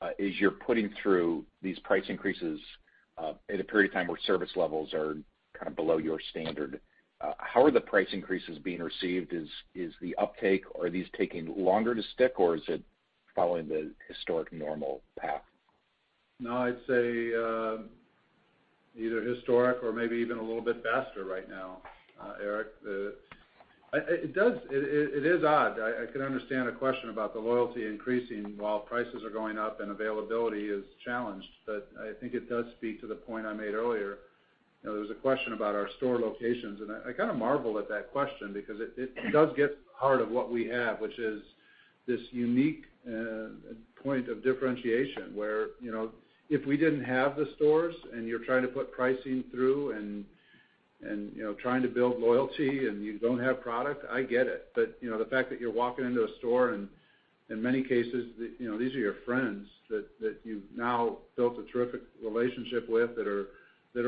as you're putting through these price increases, at a period of time where service levels are kind of below your standard, how are the price increases being received? Is the uptake, are these taking longer to stick, or is it following the historic normal path? No, I'd say either historic or maybe even a little bit faster right now, Eric. It does. It is odd. I can understand a question about the loyalty increasing while prices are going up and availability is challenged. But I think it does speak to the point I made earlier. You know, there was a question about our store locations, and I kind of marvel at that question because it does get to the heart of what we have, which is this unique point of differentiation where, you know, if we didn't have the stores and you're trying to put pricing through and, you know, trying to build loyalty and you don't have product, I get it. You know, the fact that you're walking into a store and in many cases, you know, these are your friends that you've now built a terrific relationship with that are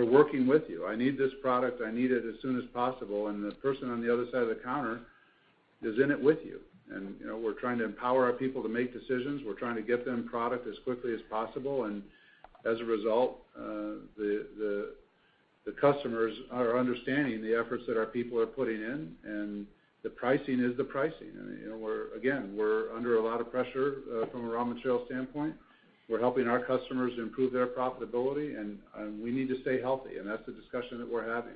working with you. I need this product. I need it as soon as possible, and the person on the other side of the counter is in it with you. You know, we're trying to empower our people to make decisions. We're trying to get them product as quickly as possible. As a result, the customers are understanding the efforts that our people are putting in, and the pricing is the pricing. You know, we're again under a lot of pressure from a raw material standpoint. We're helping our customers improve their profitability, and we need to stay healthy. That's the discussion that we're having.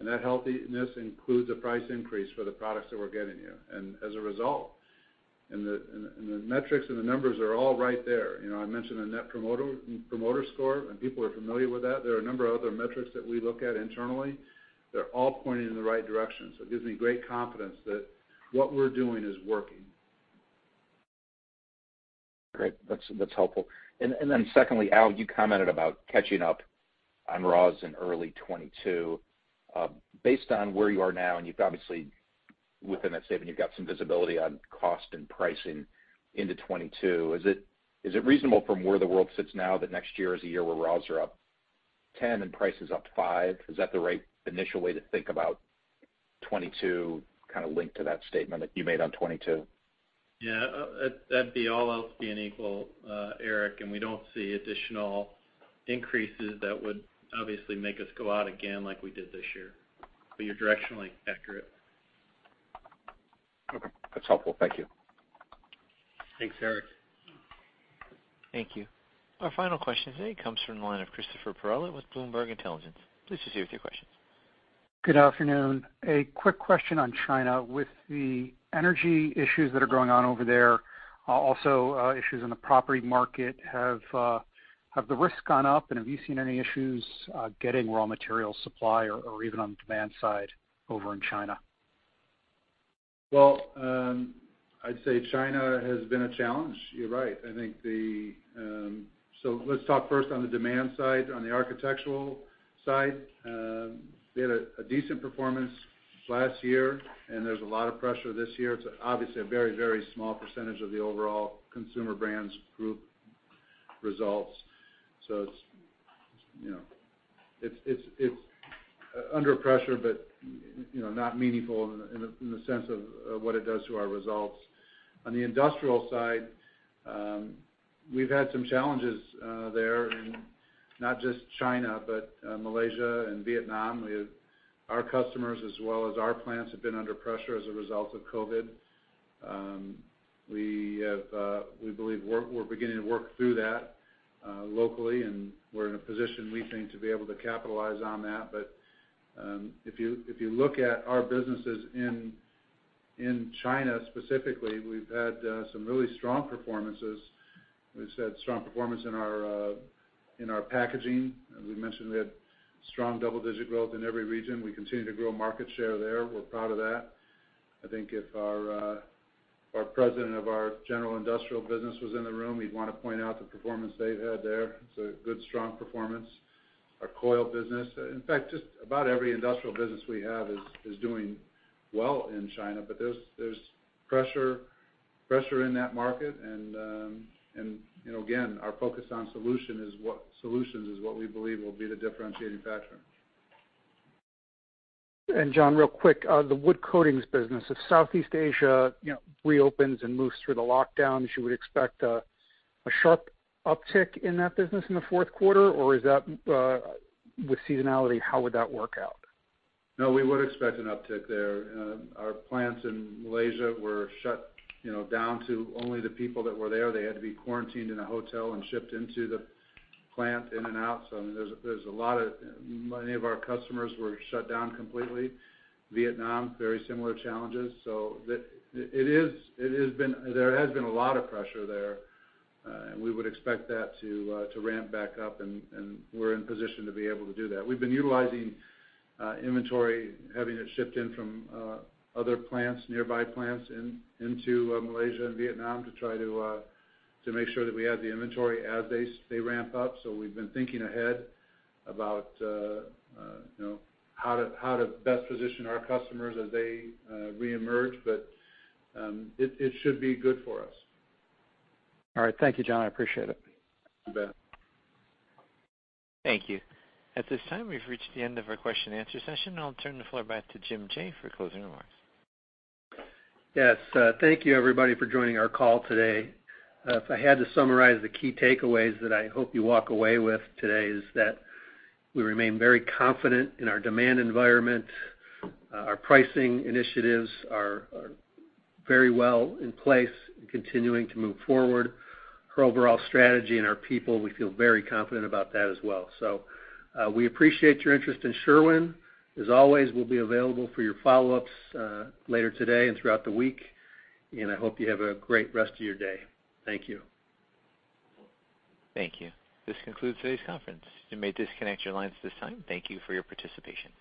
That healthiness includes a price increase for the products that we're getting you. As a result, the metrics and the numbers are all right there. You know, I mentioned the Net Promoter Score, and people are familiar with that. There are a number of other metrics that we look at internally. They're all pointing in the right direction. It gives me great confidence that what we're doing is working. Great. That's helpful. Secondly, Al, you commented about catching up on raws in early 2022. Based on where you are now, and you've obviously, within that statement, you've got some visibility on cost and pricing into 2022, is it reasonable from where the world sits now that next year is a year where raws are up 10% and price is up 5%? Is that the right initial way to think about 2022 kind of linked to that statement that you made on 2022? Yeah. That'd be all else being equal, Eric, and we don't see additional increases that would obviously make us go out again like we did this year. You're directionally accurate. Okay. That's helpful. Thank you. Thanks, Eric. Thank you. Our final question today comes from the line of Christopher Perrella with Bloomberg Intelligence. Please proceed with your question. Good afternoon. A quick question on China. With the energy issues that are going on over there, also, issues in the property market, have the risks gone up, and have you seen any issues, getting raw material supply or even on demand side over in China? Well, I'd say China has been a challenge. You're right. I think. Let's talk first on the demand side, on the architectural side. We had a decent performance last year, and there's a lot of pressure this year. It's obviously a very small percentage of the overall Consumer Brands Group results. It's, you know, under pressure, but, you know, not meaningful in the sense of what it does to our results. On the industrial side, we've had some challenges there in not just China, but Malaysia and Vietnam. Our customers as well as our plants have been under pressure as a result of COVID. We believe we're beginning to work through that locally, and we're in a position we think to be able to capitalize on that. If you look at our businesses in China specifically, we've had some really strong performances. We've had strong performance in our packaging. We mentioned we had strong double-digit growth in every region. We continue to grow market share there. We're proud of that. I think if our President of our General Industrial business was in the room, he'd wanna point out the performance they've had there. It's a good, strong performance. Our Coil business, in fact, just about every industrial business we have is doing well in China. There's pressure in that market. You know, again, our focus on solutions is what we believe will be the differentiating factor. John, real quick, the Wood Coatings business. If Southeast Asia, you know, reopens and moves through the lockdowns, you would expect a sharp uptick in that business in the fourth quarter, or is that, with seasonality, how would that work out? No, we would expect an uptick there. Our plants in Malaysia were shut down, you know, to only the people that were there. They had to be quarantined in a hotel and shipped into the plant in and out. I mean, many of our customers were shut down completely. Vietnam, very similar challenges. There has been a lot of pressure there, and we would expect that to ramp back up, and we're in position to be able to do that. We've been utilizing inventory, having it shipped in from other plants, nearby plants into Malaysia and Vietnam to try to make sure that we have the inventory as they ramp up. We've been thinking ahead about, you know, how to best position our customers as they reemerge. It should be good for us. All right. Thank you, John. I appreciate it. You bet. Thank you. At this time, we've reached the end of our Q&A session. I'll turn the floor back to Jim Jaye for closing remarks. Yes. Thank you everybody for joining our call today. If I had to summarize the key takeaways that I hope you walk away with today is that we remain very confident in our demand environment. Our pricing initiatives are very well in place and continuing to move forward. Our overall strategy and our people, we feel very confident about that as well. We appreciate your interest in Sherwin. As always, we'll be available for your follow-ups later today and throughout the week. I hope you have a great rest of your day. Thank you. Thank you. This concludes today's conference. You may disconnect your lines at this time. Thank you for your participation.